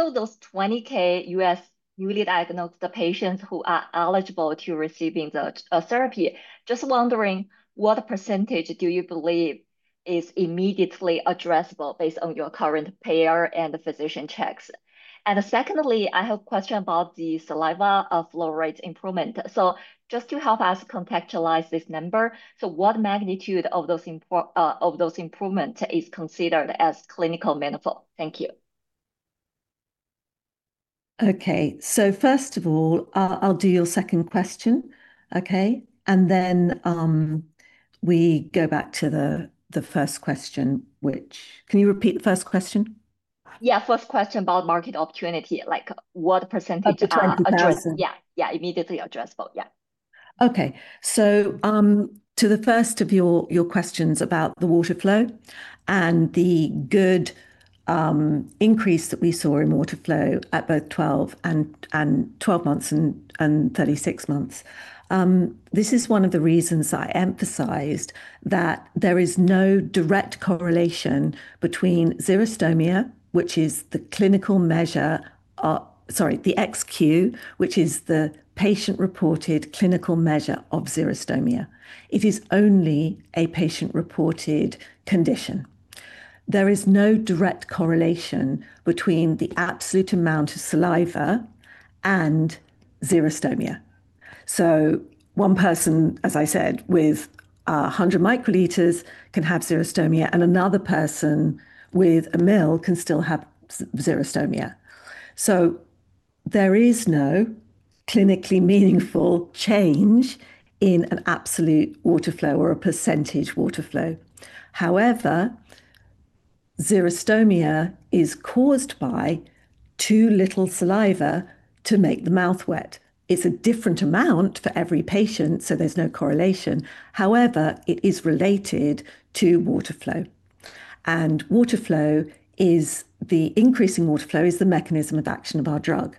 of those 20,000 U.S. newly diagnosed patients who are eligible to receiving the therapy, just wondering what percentage do you believe is immediately addressable based on your current payer and the physician checks? And secondly, I have a question about the saliva flow rate improvement. Just to help us contextualize this number, what magnitude of those improvements is considered as clinical meaningful? Thank you. Okay. First of all, I'll do your second question, okay? Then we go back to the first question. Can you repeat the first question? Yeah. First question about market opportunity, like what percentage are addressable? Up to 20,000. Yeah. Yeah, immediately addressable. Yeah. Okay. To the first of your questions about the water flow and the good increase that we saw in water flow at both 12 months and 36 months. This is one of the reasons I emphasized that there is no direct correlation between xerostomia, which is the clinical measure, or sorry, the XQ, which is the patient-reported clinical measure of xerostomia. It is only a patient-reported condition. There is no direct correlation between the absolute amount of saliva and xerostomia. One person, as I said, with 100 mcL can have xerostomia, and another person with a mil can still have xerostomia. There is no clinically meaningful change in an absolute water flow or a percentage water flow. However, xerostomia is caused by too little saliva to make the mouth wet. It's a different amount for every patient, so there's no correlation. However, it is related to water flow. The increase in water flow is the mechanism of action of our drug.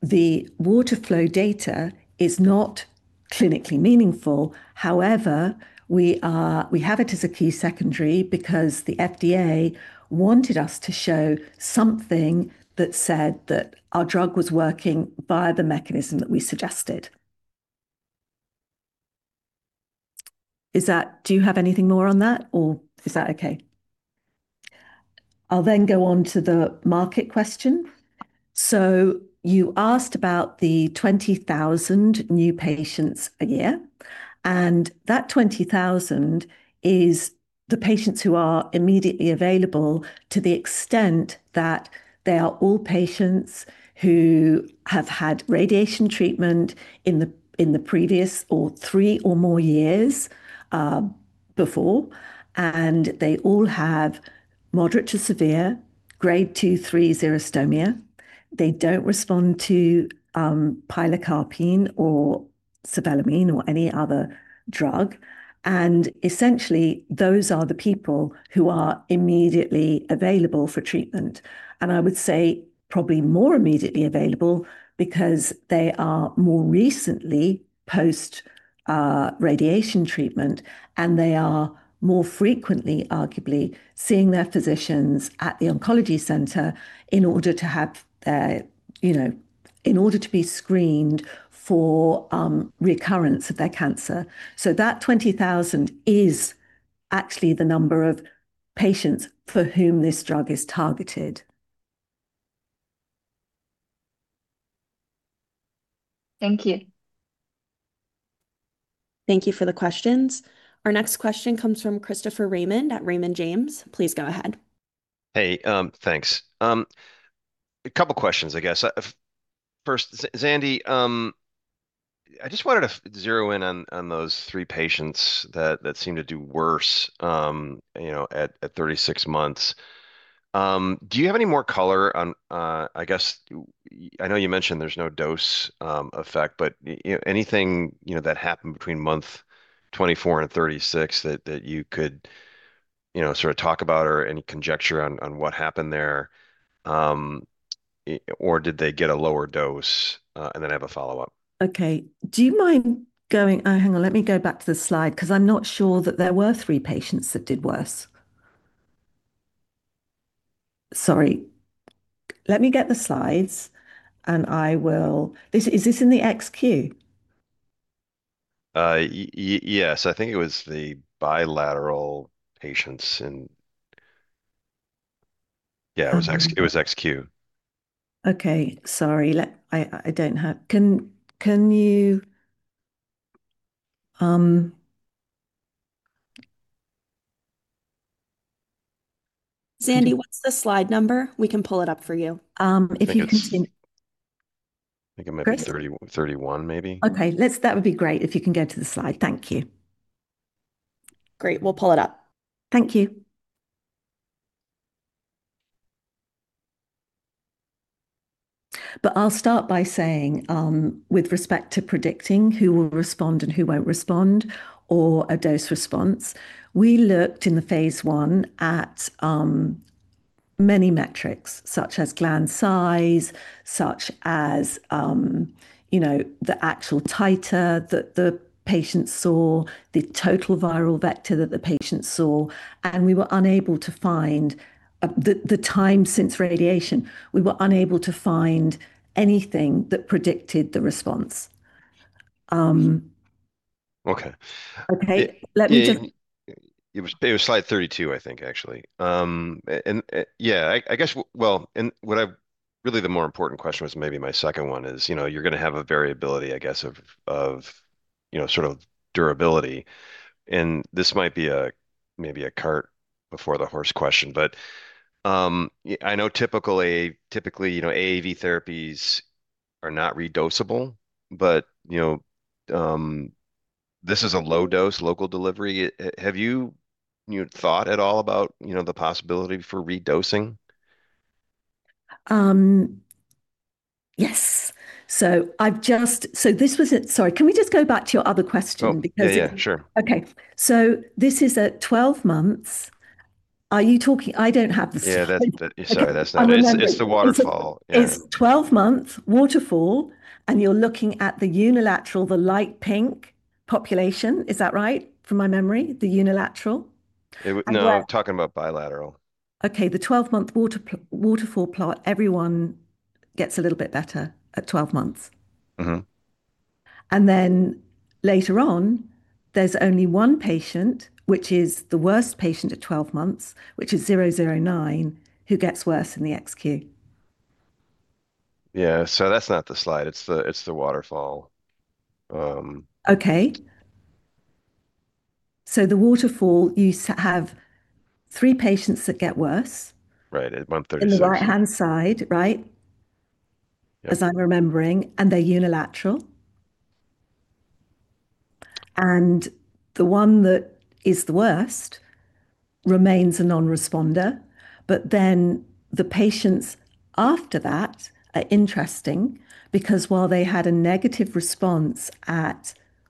The water flow data is not clinically meaningful. However, we have it as a key secondary because the FDA wanted us to show something that said that our drug was working via the mechanism that we suggested. Do you have anything more on that or is that okay? I'll then go on to the market question. You asked about the 20,000 new patients a year, and that 20,000 is the patients who are immediately available to the extent that they are all patients who have had radiation treatment in the previous or three or more years, before, and they all have moderate to severe Grade 2, 3 xerostomia. They don't respond to pilocarpine or cevimeline or any other drug, and essentially those are the people who are immediately available for treatment. I would say probably more immediately available because they are more recently post-radiation treatment, and they are more frequently, arguably, seeing their physicians at the oncology center in order to be screened for recurrence of their cancer. that 20,000 is actually the number of patients for whom this drug is targeted. Thank you. Thank you for the questions. Our next question comes from Christopher Raymond at Raymond James. Please go ahead. Hey, thanks. A couple questions, I guess. First, Zandy, I just wanted to zero in on those three patients that seemed to do worse at 36 months. Do you have any more color on, I guess, I know you mentioned there's no dose effect, but anything that happened between month 24 and 36 that you could sort of talk about or any conjecture on what happened there? Or did they get a lower dose? I have a follow-up. Let me go back to the slide because I'm not sure that there were three patients that did worse. Sorry. Let me get the slides. Is this in the XQ? Yes, I think it was the bilateral patients. Yeah, it was XQ. Okay. Sorry. Can you Zandy, what's the slide number? We can pull it up for you. If you can- I think it might be- Chris? 31 maybe. Okay. That would be great if you can go to the slide. Thank you. Great. We'll pull it up. Thank you. I'll start by saying, with respect to predicting who will respond and who won't respond or a dose-response, we looked in the phase I at many metrics, such as gland size, such as the actual titer that the patient saw, the total viral vector that the patient saw, and the time since radiation. We were unable to find anything that predicted the response. Okay. Okay. It was slide 32, I think, actually. Yeah, I guess, well, really the more important question was maybe my second one is, you're going to have a variability, I guess, of sort of durability, and this might be maybe a cart before the horse question, but I know typically, AAV therapies are not redosable, but this is a low dose local delivery. Have you thought at all about the possibility for redosing? Yes. Sorry, can we just go back to your other question? Yeah, sure. Okay. This is at 12 months. I don't have the slide. Yeah. Sorry, that's not it. It's the waterfall. Yeah. It's 12-month waterfall, and you're looking at the unilateral, the light pink population. Is that right? From my memory, the unilateral. No, I'm talking about bilateral. Okay. The 12-month waterfall plot, everyone gets a little bit better at 12 months. Mm-hmm. Later on, there's only one patient, which is the worst patient at 12 months, which is 009, who gets worse in the XQ. Yeah. That's not the slide. It's the waterfall. Okay. The waterfall, you have three patients that get worse. Right. At month 36. In the right-hand side, right? Yes. As I'm remembering, and they're unilateral. The one that is the worst remains a non-responder, but then the patients after that are interesting, because while they had a negative response,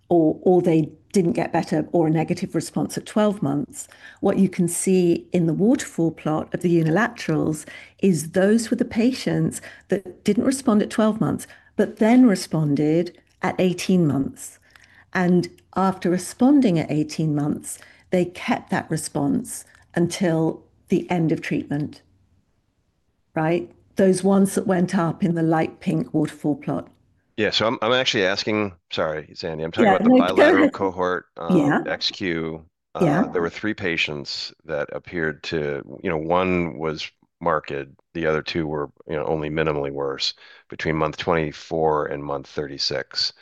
or they didn't get better, or a negative response at 12 months, what you can see in the waterfall plot of the unilaterals is those were the patients that didn't respond at 12 months, but then responded at 18 months. After responding at 18 months, they kept that response until the end of treatment, right? Those ones that went up in the light pink waterfall plot. Yeah. I'm actually asking. Sorry, Zandy. I'm talking about the bilateral cohort- Yeah XQ. Yeah. There were three patients. One was marked, the other two were only minimally worse between month 24 and month 36.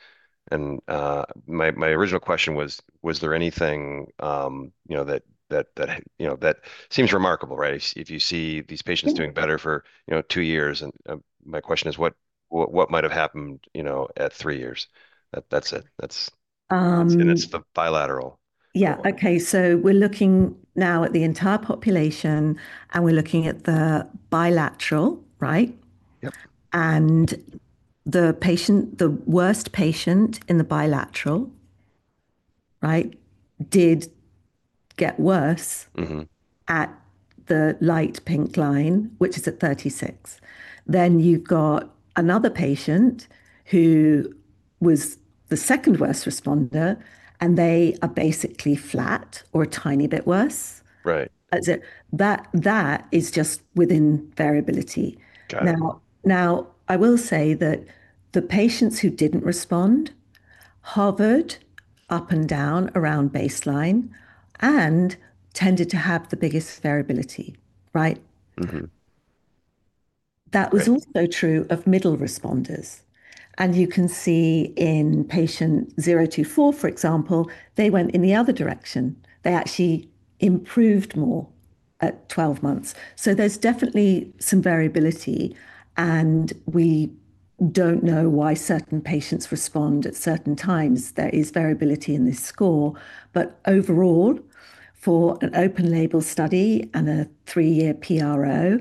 My original question was there anything that seems remarkable, right? If you see these patients doing better for two years, and my question is what might have happened at three years? That's it. It's the bilateral. Yeah. Okay. We're looking now at the entire population, and we're looking at the bilateral, right? Yep. The worst patient in the bilateral, right, did get worse. Mm-hmm At the light pink line, which is at 36. Then you've got another patient who was the second-worst responder, and they are basically flat or a tiny bit worse. Right. That is just within variability. Got it. Now, I will say that the patients who didn't respond hovered up and down around baseline and tended to have the biggest variability, right? Mm-hmm. That was also true of middle responders. You can see in patient 024, for example, they went in the other direction. They actually improved more at 12 months. There's definitely some variability, and we don't know why certain patients respond at certain times. There is variability in this score. Overall, for an open label study and a three-year PRO,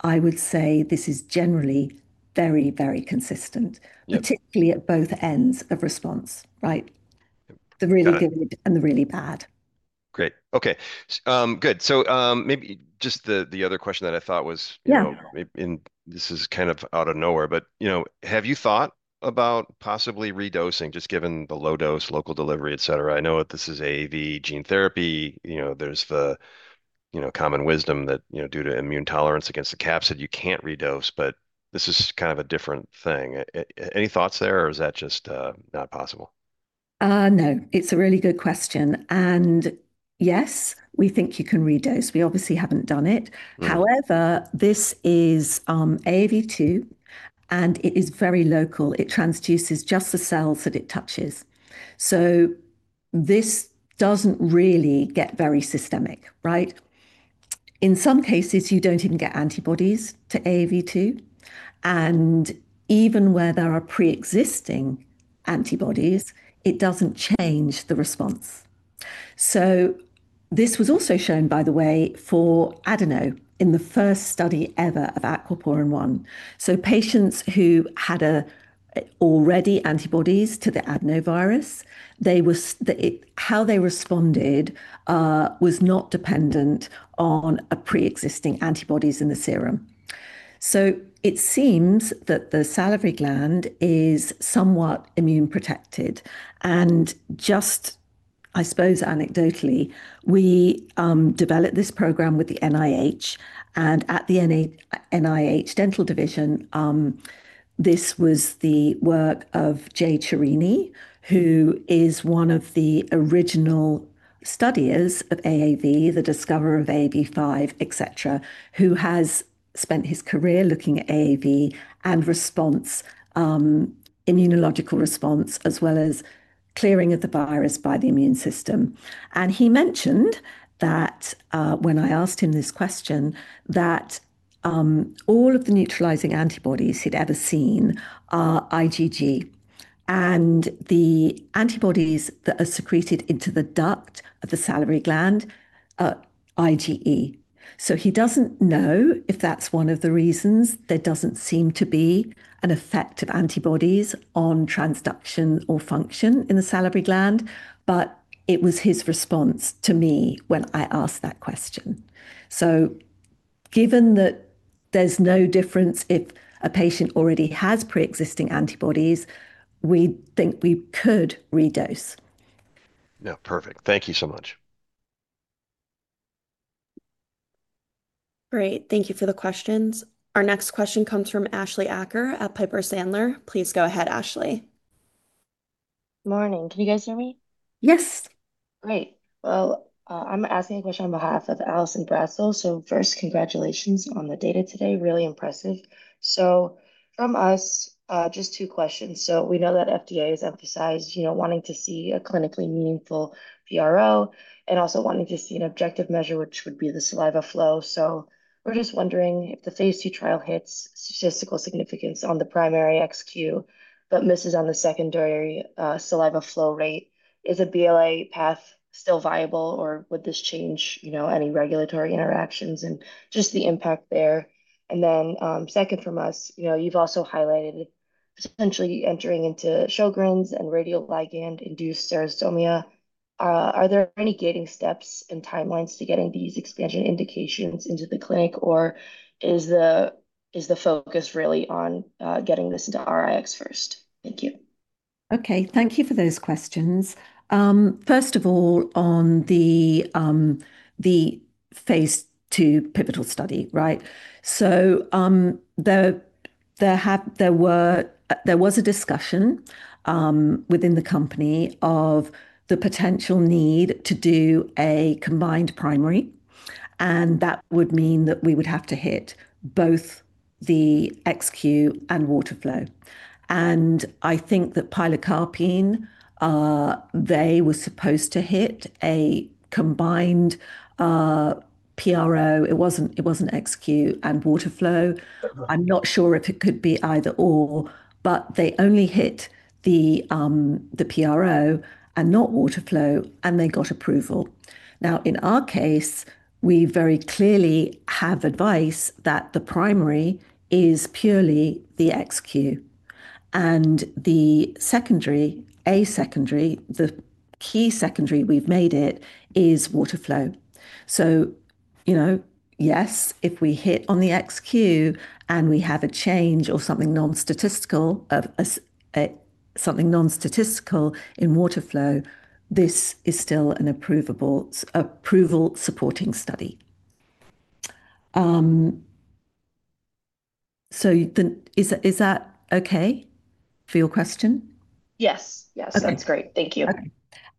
I would say this is generally very consistent. Yep Particularly at both ends of response, right? Got it. The really good and the really bad. Great. Okay. Good. Maybe just the other question that I thought was. Yeah This is kind of out of nowhere, but have you thought about possibly redosing, just given the low dose local delivery, et cetera? I know that this is AAV gene therapy. There's the common wisdom that due to immune tolerance against the capsid, you can't redose, but this is kind of a different thing. Any thoughts there or is that just not possible? No. It's a really good question. Yes, we think you can redose. We obviously haven't done it. Right. However, this is AAV2, and it is very local. It transduces just the cells that it touches. This doesn't really get very systemic, right? In some cases, you don't even get antibodies to AAV2. Even where there are preexisting antibodies, it doesn't change the response. This was also shown, by the way, for adeno in the first study ever of aquaporin-1. Patients who had already antibodies to the adenovirus, how they responded was not dependent on preexisting antibodies in the serum. It seems that the salivary gland is somewhat immune protected. Just, I suppose anecdotally, we developed this program with the NIH, and at the NIH Dental Division, this was the work of John Chiorini, who is one of the original studiers of AAV, the discoverer of AAV5, et cetera, who has spent his career looking at AAV and response, immunological response, as well as clearing of the virus by the immune system. He mentioned that when I asked him this question, that all of the neutralizing antibodies he'd ever seen are IgG. The antibodies that are secreted into the duct of the salivary gland are IgA. He doesn't know if that's one of the reasons. There doesn't seem to be an effect of antibodies on transduction or function in the salivary gland, but it was his response to me when I asked that question. Given that there's no difference if a patient already has preexisting antibodies, we think we could redose. No, perfect. Thank you so much. Great. Thank you for the questions. Our next question comes from Ashleigh Acker at Piper Sandler. Please go ahead, Ashleigh. Morning. Can you guys hear me? Yes. Great. Well, I'm asking a question on behalf of Allison Bratzel. First, congratulations on the data today. Really impressive. From us, just two questions. We know that FDA has emphasized wanting to see a clinically meaningful PRO and also wanting to see an objective measure, which would be the saliva flow. We're just wondering if the phase II trial hits statistical significance on the primary XQ but misses on the secondary saliva flow rate, is a BLA path still viable, or would this change any regulatory interactions? Just the impact there. Second from us, you've also highlighted potentially entering into Sjögren's and radioligand-induced xerostomia. Are there any gating steps and timelines to getting these expansion indications into the clinic, or is the focus really on getting this into RIX first? Thank you. Okay. Thank you for those questions. First of all, on the phase II pivotal study, right? There was a discussion within the company of the potential need to do a combined primary, and that would mean that we would have to hit both the XQ and water flow. I think that pilocarpine, they were supposed to hit a combined PRO. It wasn't XQ and water flow. I'm not sure if it could be either/or, but they only hit the PRO and not water flow, and they got approval. Now, in our case, we very clearly have advice that the primary is purely the XQ and the secondary, a secondary, the key secondary we've made it is water flow. Yes, if we hit on the XQ and we have a change or something non-statistical in water flow, this is still an approval-supporting study. Is that okay for your question? Yes. Okay. That's great. Thank you. Okay.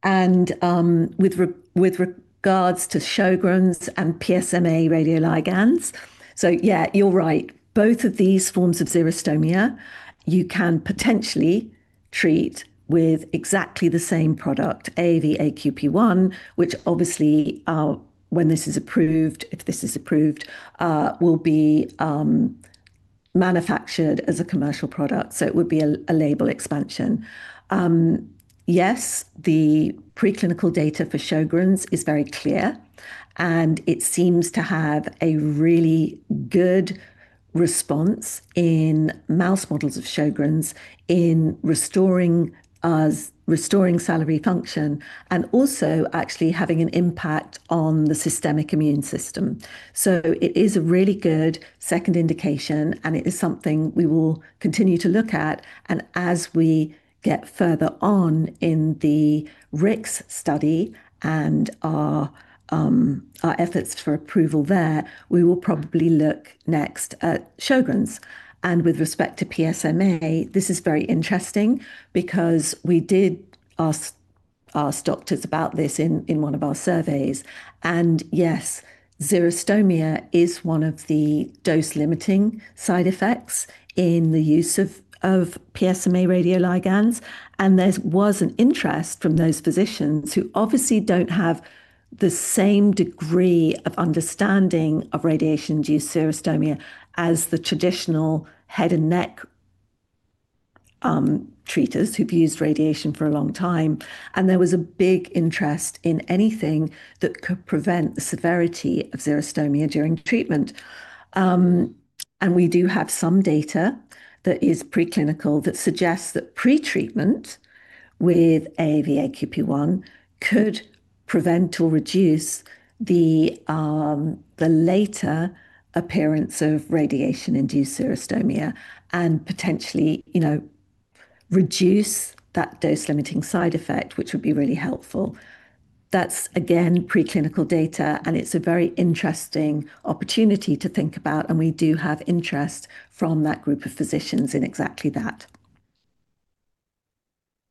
With regards to Sjögren's and PSMA radioligands, so yeah, you're right. Both of these forms of xerostomia, you can potentially treat with exactly the same product, AAV-AQP1, which obviously, when this is approved, if this is approved, will be manufactured as a commercial product. It would be a label expansion. Yes, the preclinical data for Sjögren's is very clear, and it seems to have a really good response in mouse models of Sjögren's in restoring salivary function and also actually having an impact on the systemic immune system. It is a really good second indication, and it is something we will continue to look at, and as we get further on in the RIX study and our efforts for approval there, we will probably look next at Sjögren's. With respect to PSMA, this is very interesting because we did ask doctors about this in one of our surveys, and yes, xerostomia is one of the dose-limiting side effects in the use of PSMA radioligands. There was an interest from those physicians who obviously don't have the same degree of understanding of radiation-induced xerostomia as the traditional head and neck treaters who've used radiation for a long time, and there was a big interest in anything that could prevent the severity of xerostomia during treatment. We do have some data that is preclinical that suggests that pretreatment with AAV-AQP1 could prevent or reduce the later appearance of radiation-induced xerostomia and potentially reduce that dose-limiting side effect, which would be really helpful. That's, again, preclinical data, and it's a very interesting opportunity to think about, and we do have interest from that group of physicians in exactly that.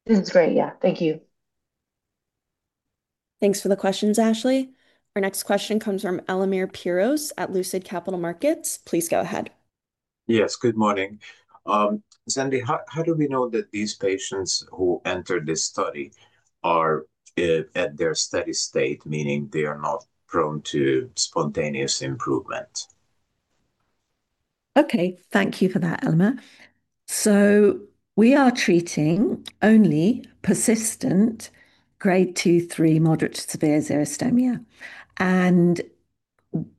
That's great. Yeah. Thank you. Thanks for the questions, Ashleigh. Our next question comes from Elemer Piros at Lucid Capital Markets. Please go ahead. Yes, good morning. Zandy, how do we know that these patients who enter this study are at their steady state, meaning they are not prone to spontaneous improvement? Okay. Thank you for that, Elemer. We are treating only persistent Grade 2/3 moderate to severe xerostomia, and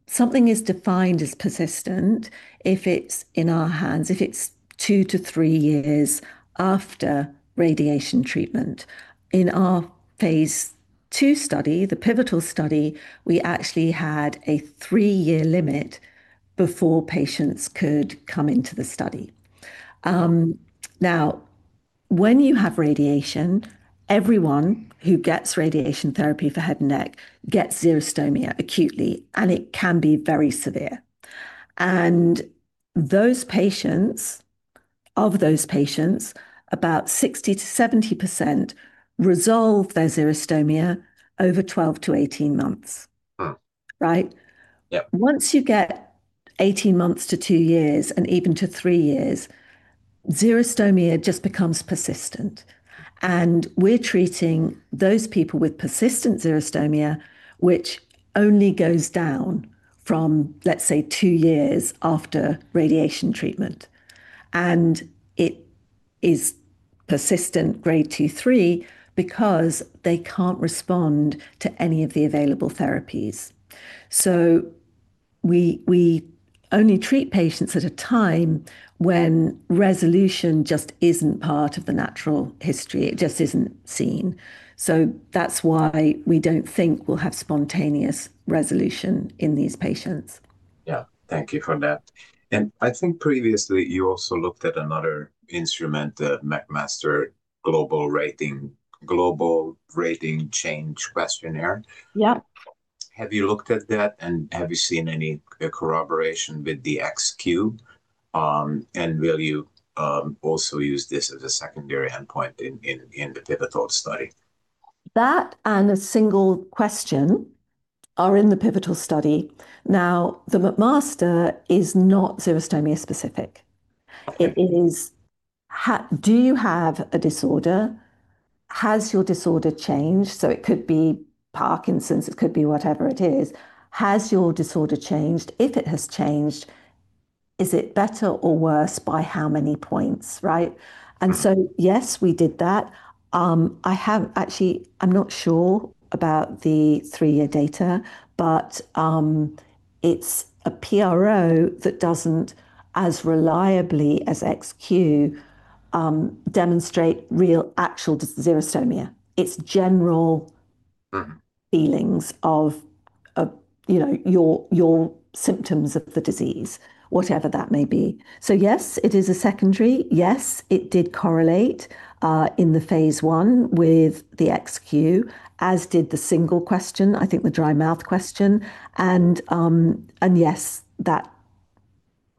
something is defined as persistent if it's in our hands, if it's two to three years after radiation treatment. In our phase II study, the pivotal study, we actually had a three-year limit before patients could come into the study. Now, when you have radiation, everyone who gets radiation therapy for head and neck gets xerostomia acutely, and it can be very severe. Of those patients, about 60%-70% resolve their xerostomia over 12-18 months. Wow. Right? Yep. Once you get 18 months to two years, and even to three years, xerostomia just becomes persistent. We're treating those people with persistent xerostomia, which only goes down from, let's say, two years after radiation treatment. It is persistent Grade 2/3 because they can't respond to any of the available therapies. We only treat patients at a time when resolution just isn't part of the natural history. It just isn't seen. That's why we don't think we'll have spontaneous resolution in these patients. Yeah. Thank you for that. I think previously, you also looked at another instrument, the Global Rating of Change questionnaire. Yeah. Have you looked at that, and have you seen any corroboration with the XQ? Will you also use this as a secondary endpoint in the pivotal study? That and a single question are in the pivotal study. The McMaster is not xerostomia specific. Okay. It is, do you have a disorder? Has your disorder changed? It could be Parkinson's, it could be whatever it is. Has your disorder changed? If it has changed, is it better or worse, by how many points, right? Mm-hmm. Yes, we did that. Actually, I'm not sure about the three-year data, but it's a PRO that doesn't, as reliably as XQ, demonstrate real actual xerostomia. It's general Mm feelings of your symptoms of the disease, whatever that may be. Yes, it is a secondary. Yes, it did correlate in the phase I with the XQ, as did the single question, I think the dry mouth question. Yes,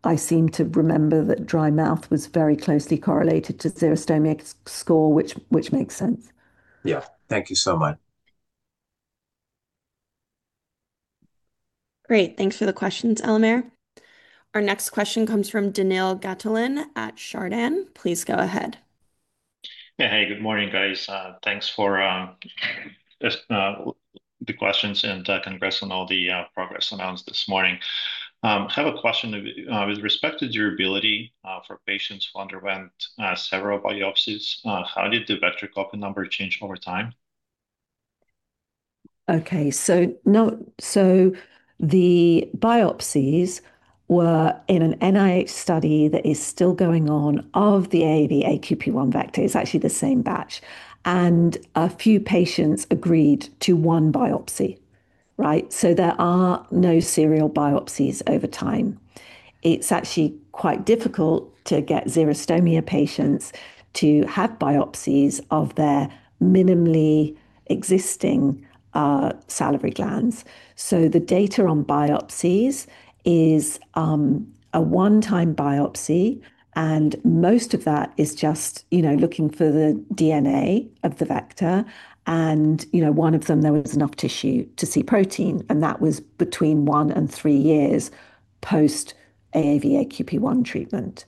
I seem to remember that dry mouth was very closely correlated to xerostomia score, which makes sense. Yeah. Thank you so much. Great. Thanks for the questions, Elemer. Our next question comes from Daniil Gataullin at Chardan. Please go ahead. Yeah. Hey, good morning, guys. Thanks for the questions and congrats on all the progress announced this morning. I have a question. With respect to durability for patients who underwent several biopsies, how did the vector copy number change over time? Okay. The biopsies were in an NIH study that is still going on of the AAV AQP1 vector. It's actually the same batch. A few patients agreed to one biopsy, right? There are no serial biopsies over time. It's actually quite difficult to get xerostomia patients to have biopsies of their minimally existing salivary glands. The data on biopsies is a one-time biopsy, and most of that is just looking for the DNA of the vector, and one of them, there was enough tissue to see protein, and that was between one and three years post AAV-AQP1 treatment.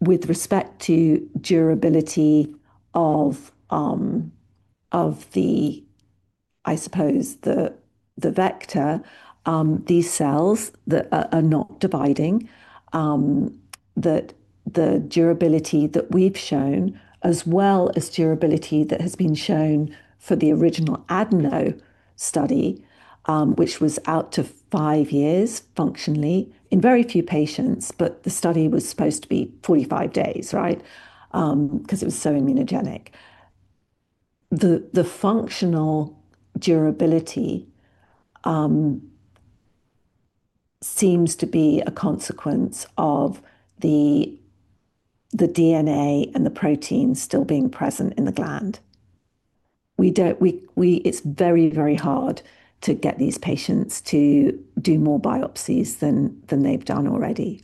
With respect to durability of the vector, these cells that are not dividing, the durability that we've shown as well as durability that has been shown for the original adeno study, which was out to five years functionally in very few patients, but the study was supposed to be 45 days, right? Because it was so immunogenic. The functional durability seems to be a consequence of the DNA and the protein still being present in the gland. It's very hard to get these patients to do more biopsies than they've done already.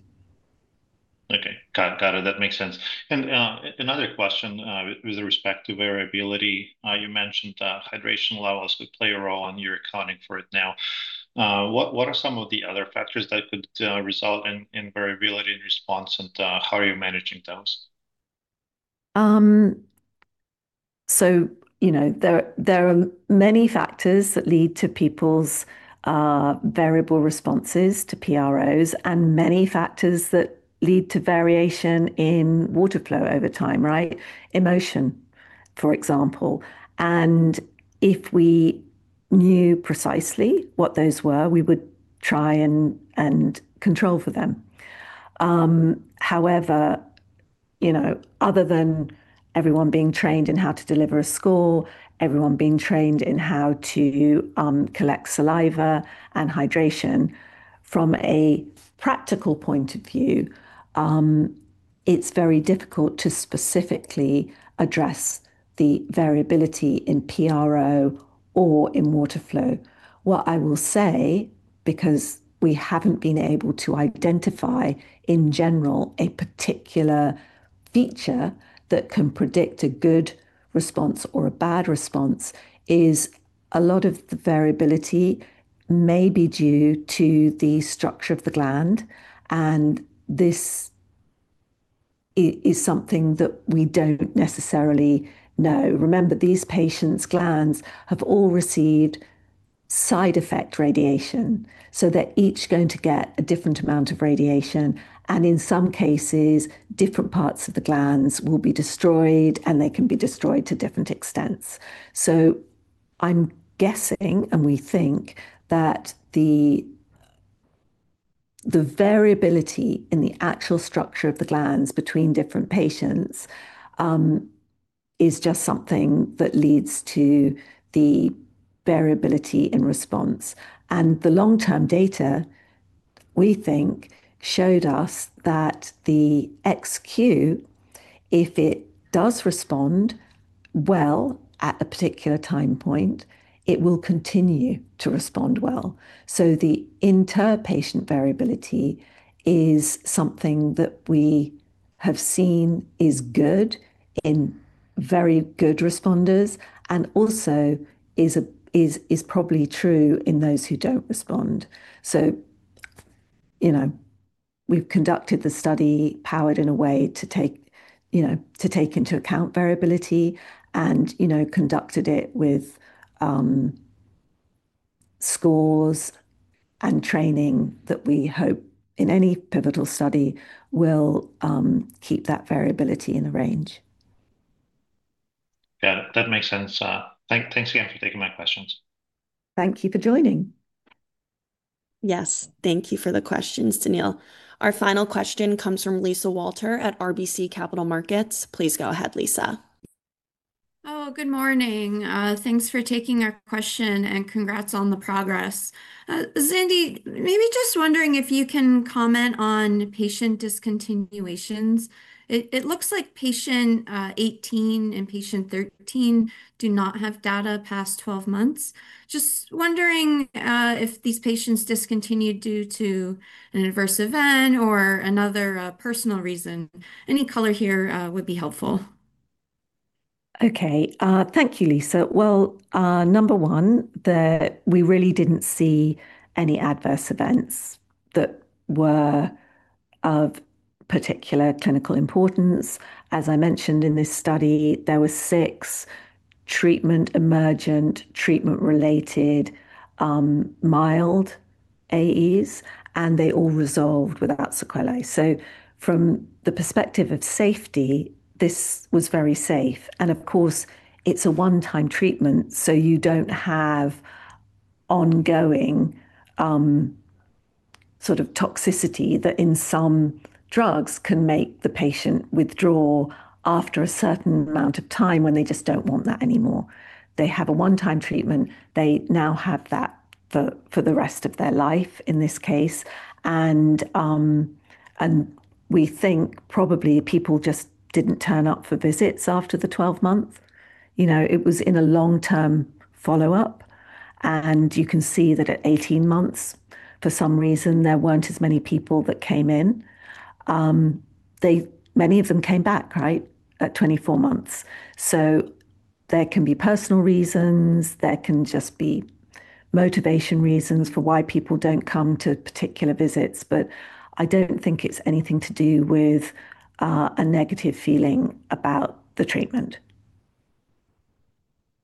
Okay. Got it. That makes sense. Another question with respect to variability. You mentioned hydration levels could play a role, and you're accounting for it now. What are some of the other factors that could result in variability in response, and how are you managing those? There are many factors that lead to people's variable responses to PROs and many factors that lead to variation in water flow over time, right? Emotion, for example. If we knew precisely what those were, we would try and control for them. However, other than everyone being trained in how to deliver a score, everyone being trained in how to collect saliva and hydration, from a practical point of view, it's very difficult to specifically address the variability in PRO or in water flow. What I will say, because we haven't been able to identify, in general, a particular feature that can predict a good response or a bad response, is a lot of the variability may be due to the structure of the gland, and this is something that we don't necessarily know. Remember, these patients' glands have all received side effect radiation, so they're each going to get a different amount of radiation, and in some cases, different parts of the glands will be destroyed, and they can be destroyed to different extents. I'm guessing, and we think that the variability in the actual structure of the glands between different patients is just something that leads to the variability in response. The long-term data, we think, showed us that the XQ, if it does respond well at a particular time point, it will continue to respond well. The inter-patient variability is something that we have seen is good in very good responders and also is probably true in those who don't respond. We've conducted the study powered in a way to take into account variability and conducted it with scores and training that we hope in any pivotal study will keep that variability in the range. Got it. That makes sense. Thanks again for taking my questions. Thank you for joining. Yes, thank you for the questions, Daniil. Our final question comes from Lisa Walter at RBC Capital Markets. Please go ahead, Lisa. Oh, good morning. Thanks for taking our question, and congrats on the progress. Zandy, maybe just wondering if you can comment on patient discontinuations. It looks like patient 18 and patient 13 do not have data past 12 months. Just wondering if these patients discontinued due to an adverse event or another personal reason. Any color here would be helpful. Okay. Thank you, Lisa. Well, number one, we really didn't see any adverse events that were of particular clinical importance. As I mentioned in this study, there were six treatment emergent, treatment-related, mild AEs, and they all resolved without sequelae. From the perspective of safety, this was very safe. Of course, it's a one-time treatment, so you don't have ongoing toxicity that in some drugs can make the patient withdraw after a certain amount of time when they just don't want that anymore. They have a one-time treatment. They now have that for the rest of their life in this case. We think probably people just didn't turn up for visits after the 12-month. It was in a long-term follow-up, and you can see that at 18 months, for some reason, there weren't as many people that came in. Many of them came back, right, at 24 months. There can be personal reasons. There can just be motivation reasons for why people don't come to particular visits. I don't think it's anything to do with a negative feeling about the treatment.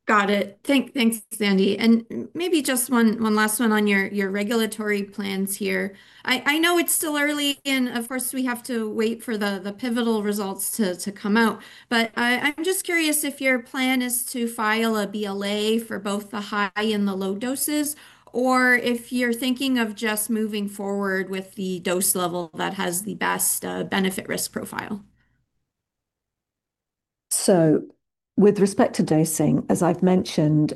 Got it. Thanks, Zandy. Maybe just one last one on your regulatory plans here. I know it's still early, and of course, we have to wait for the pivotal results to come out. I'm just curious if your plan is to file a BLA for both the high and the low doses, or if you're thinking of just moving forward with the dose level that has the best benefit risk profile. With respect to dosing, as I've mentioned,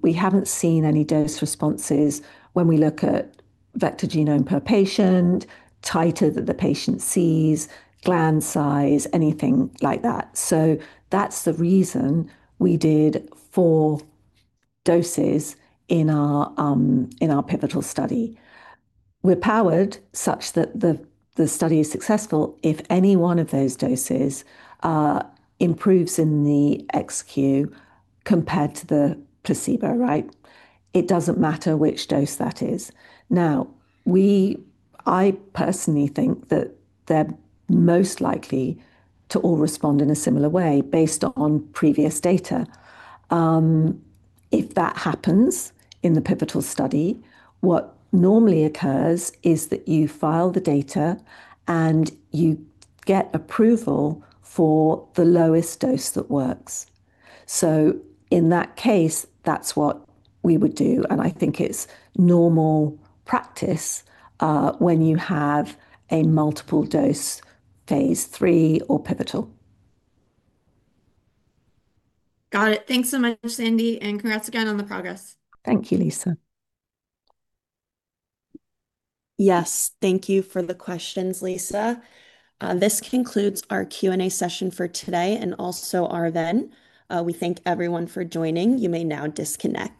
we haven't seen any dose responses when we look at vector genome per patient, titer that the patient sees, gland size, anything like that. That's the reason we did four doses in our pivotal study. We're powered such that the study is successful if any one of those doses improves in the XQ compared to the placebo, right? It doesn't matter which dose that is. Now, I personally think that they're most likely to all respond in a similar way based on previous data. If that happens in the pivotal study, what normally occurs is that you file the data, and you get approval for the lowest dose that works. In that case, that's what we would do. I think it's normal practice when you have a multiple dose phase III or pivotal. Got it. Thanks so much, Zandy, and congrats again on the progress. Thank you, Lisa. Yes. Thank you for the questions, Lisa. This concludes our Q&A session for today and also our event. We thank everyone for joining. You may now disconnect.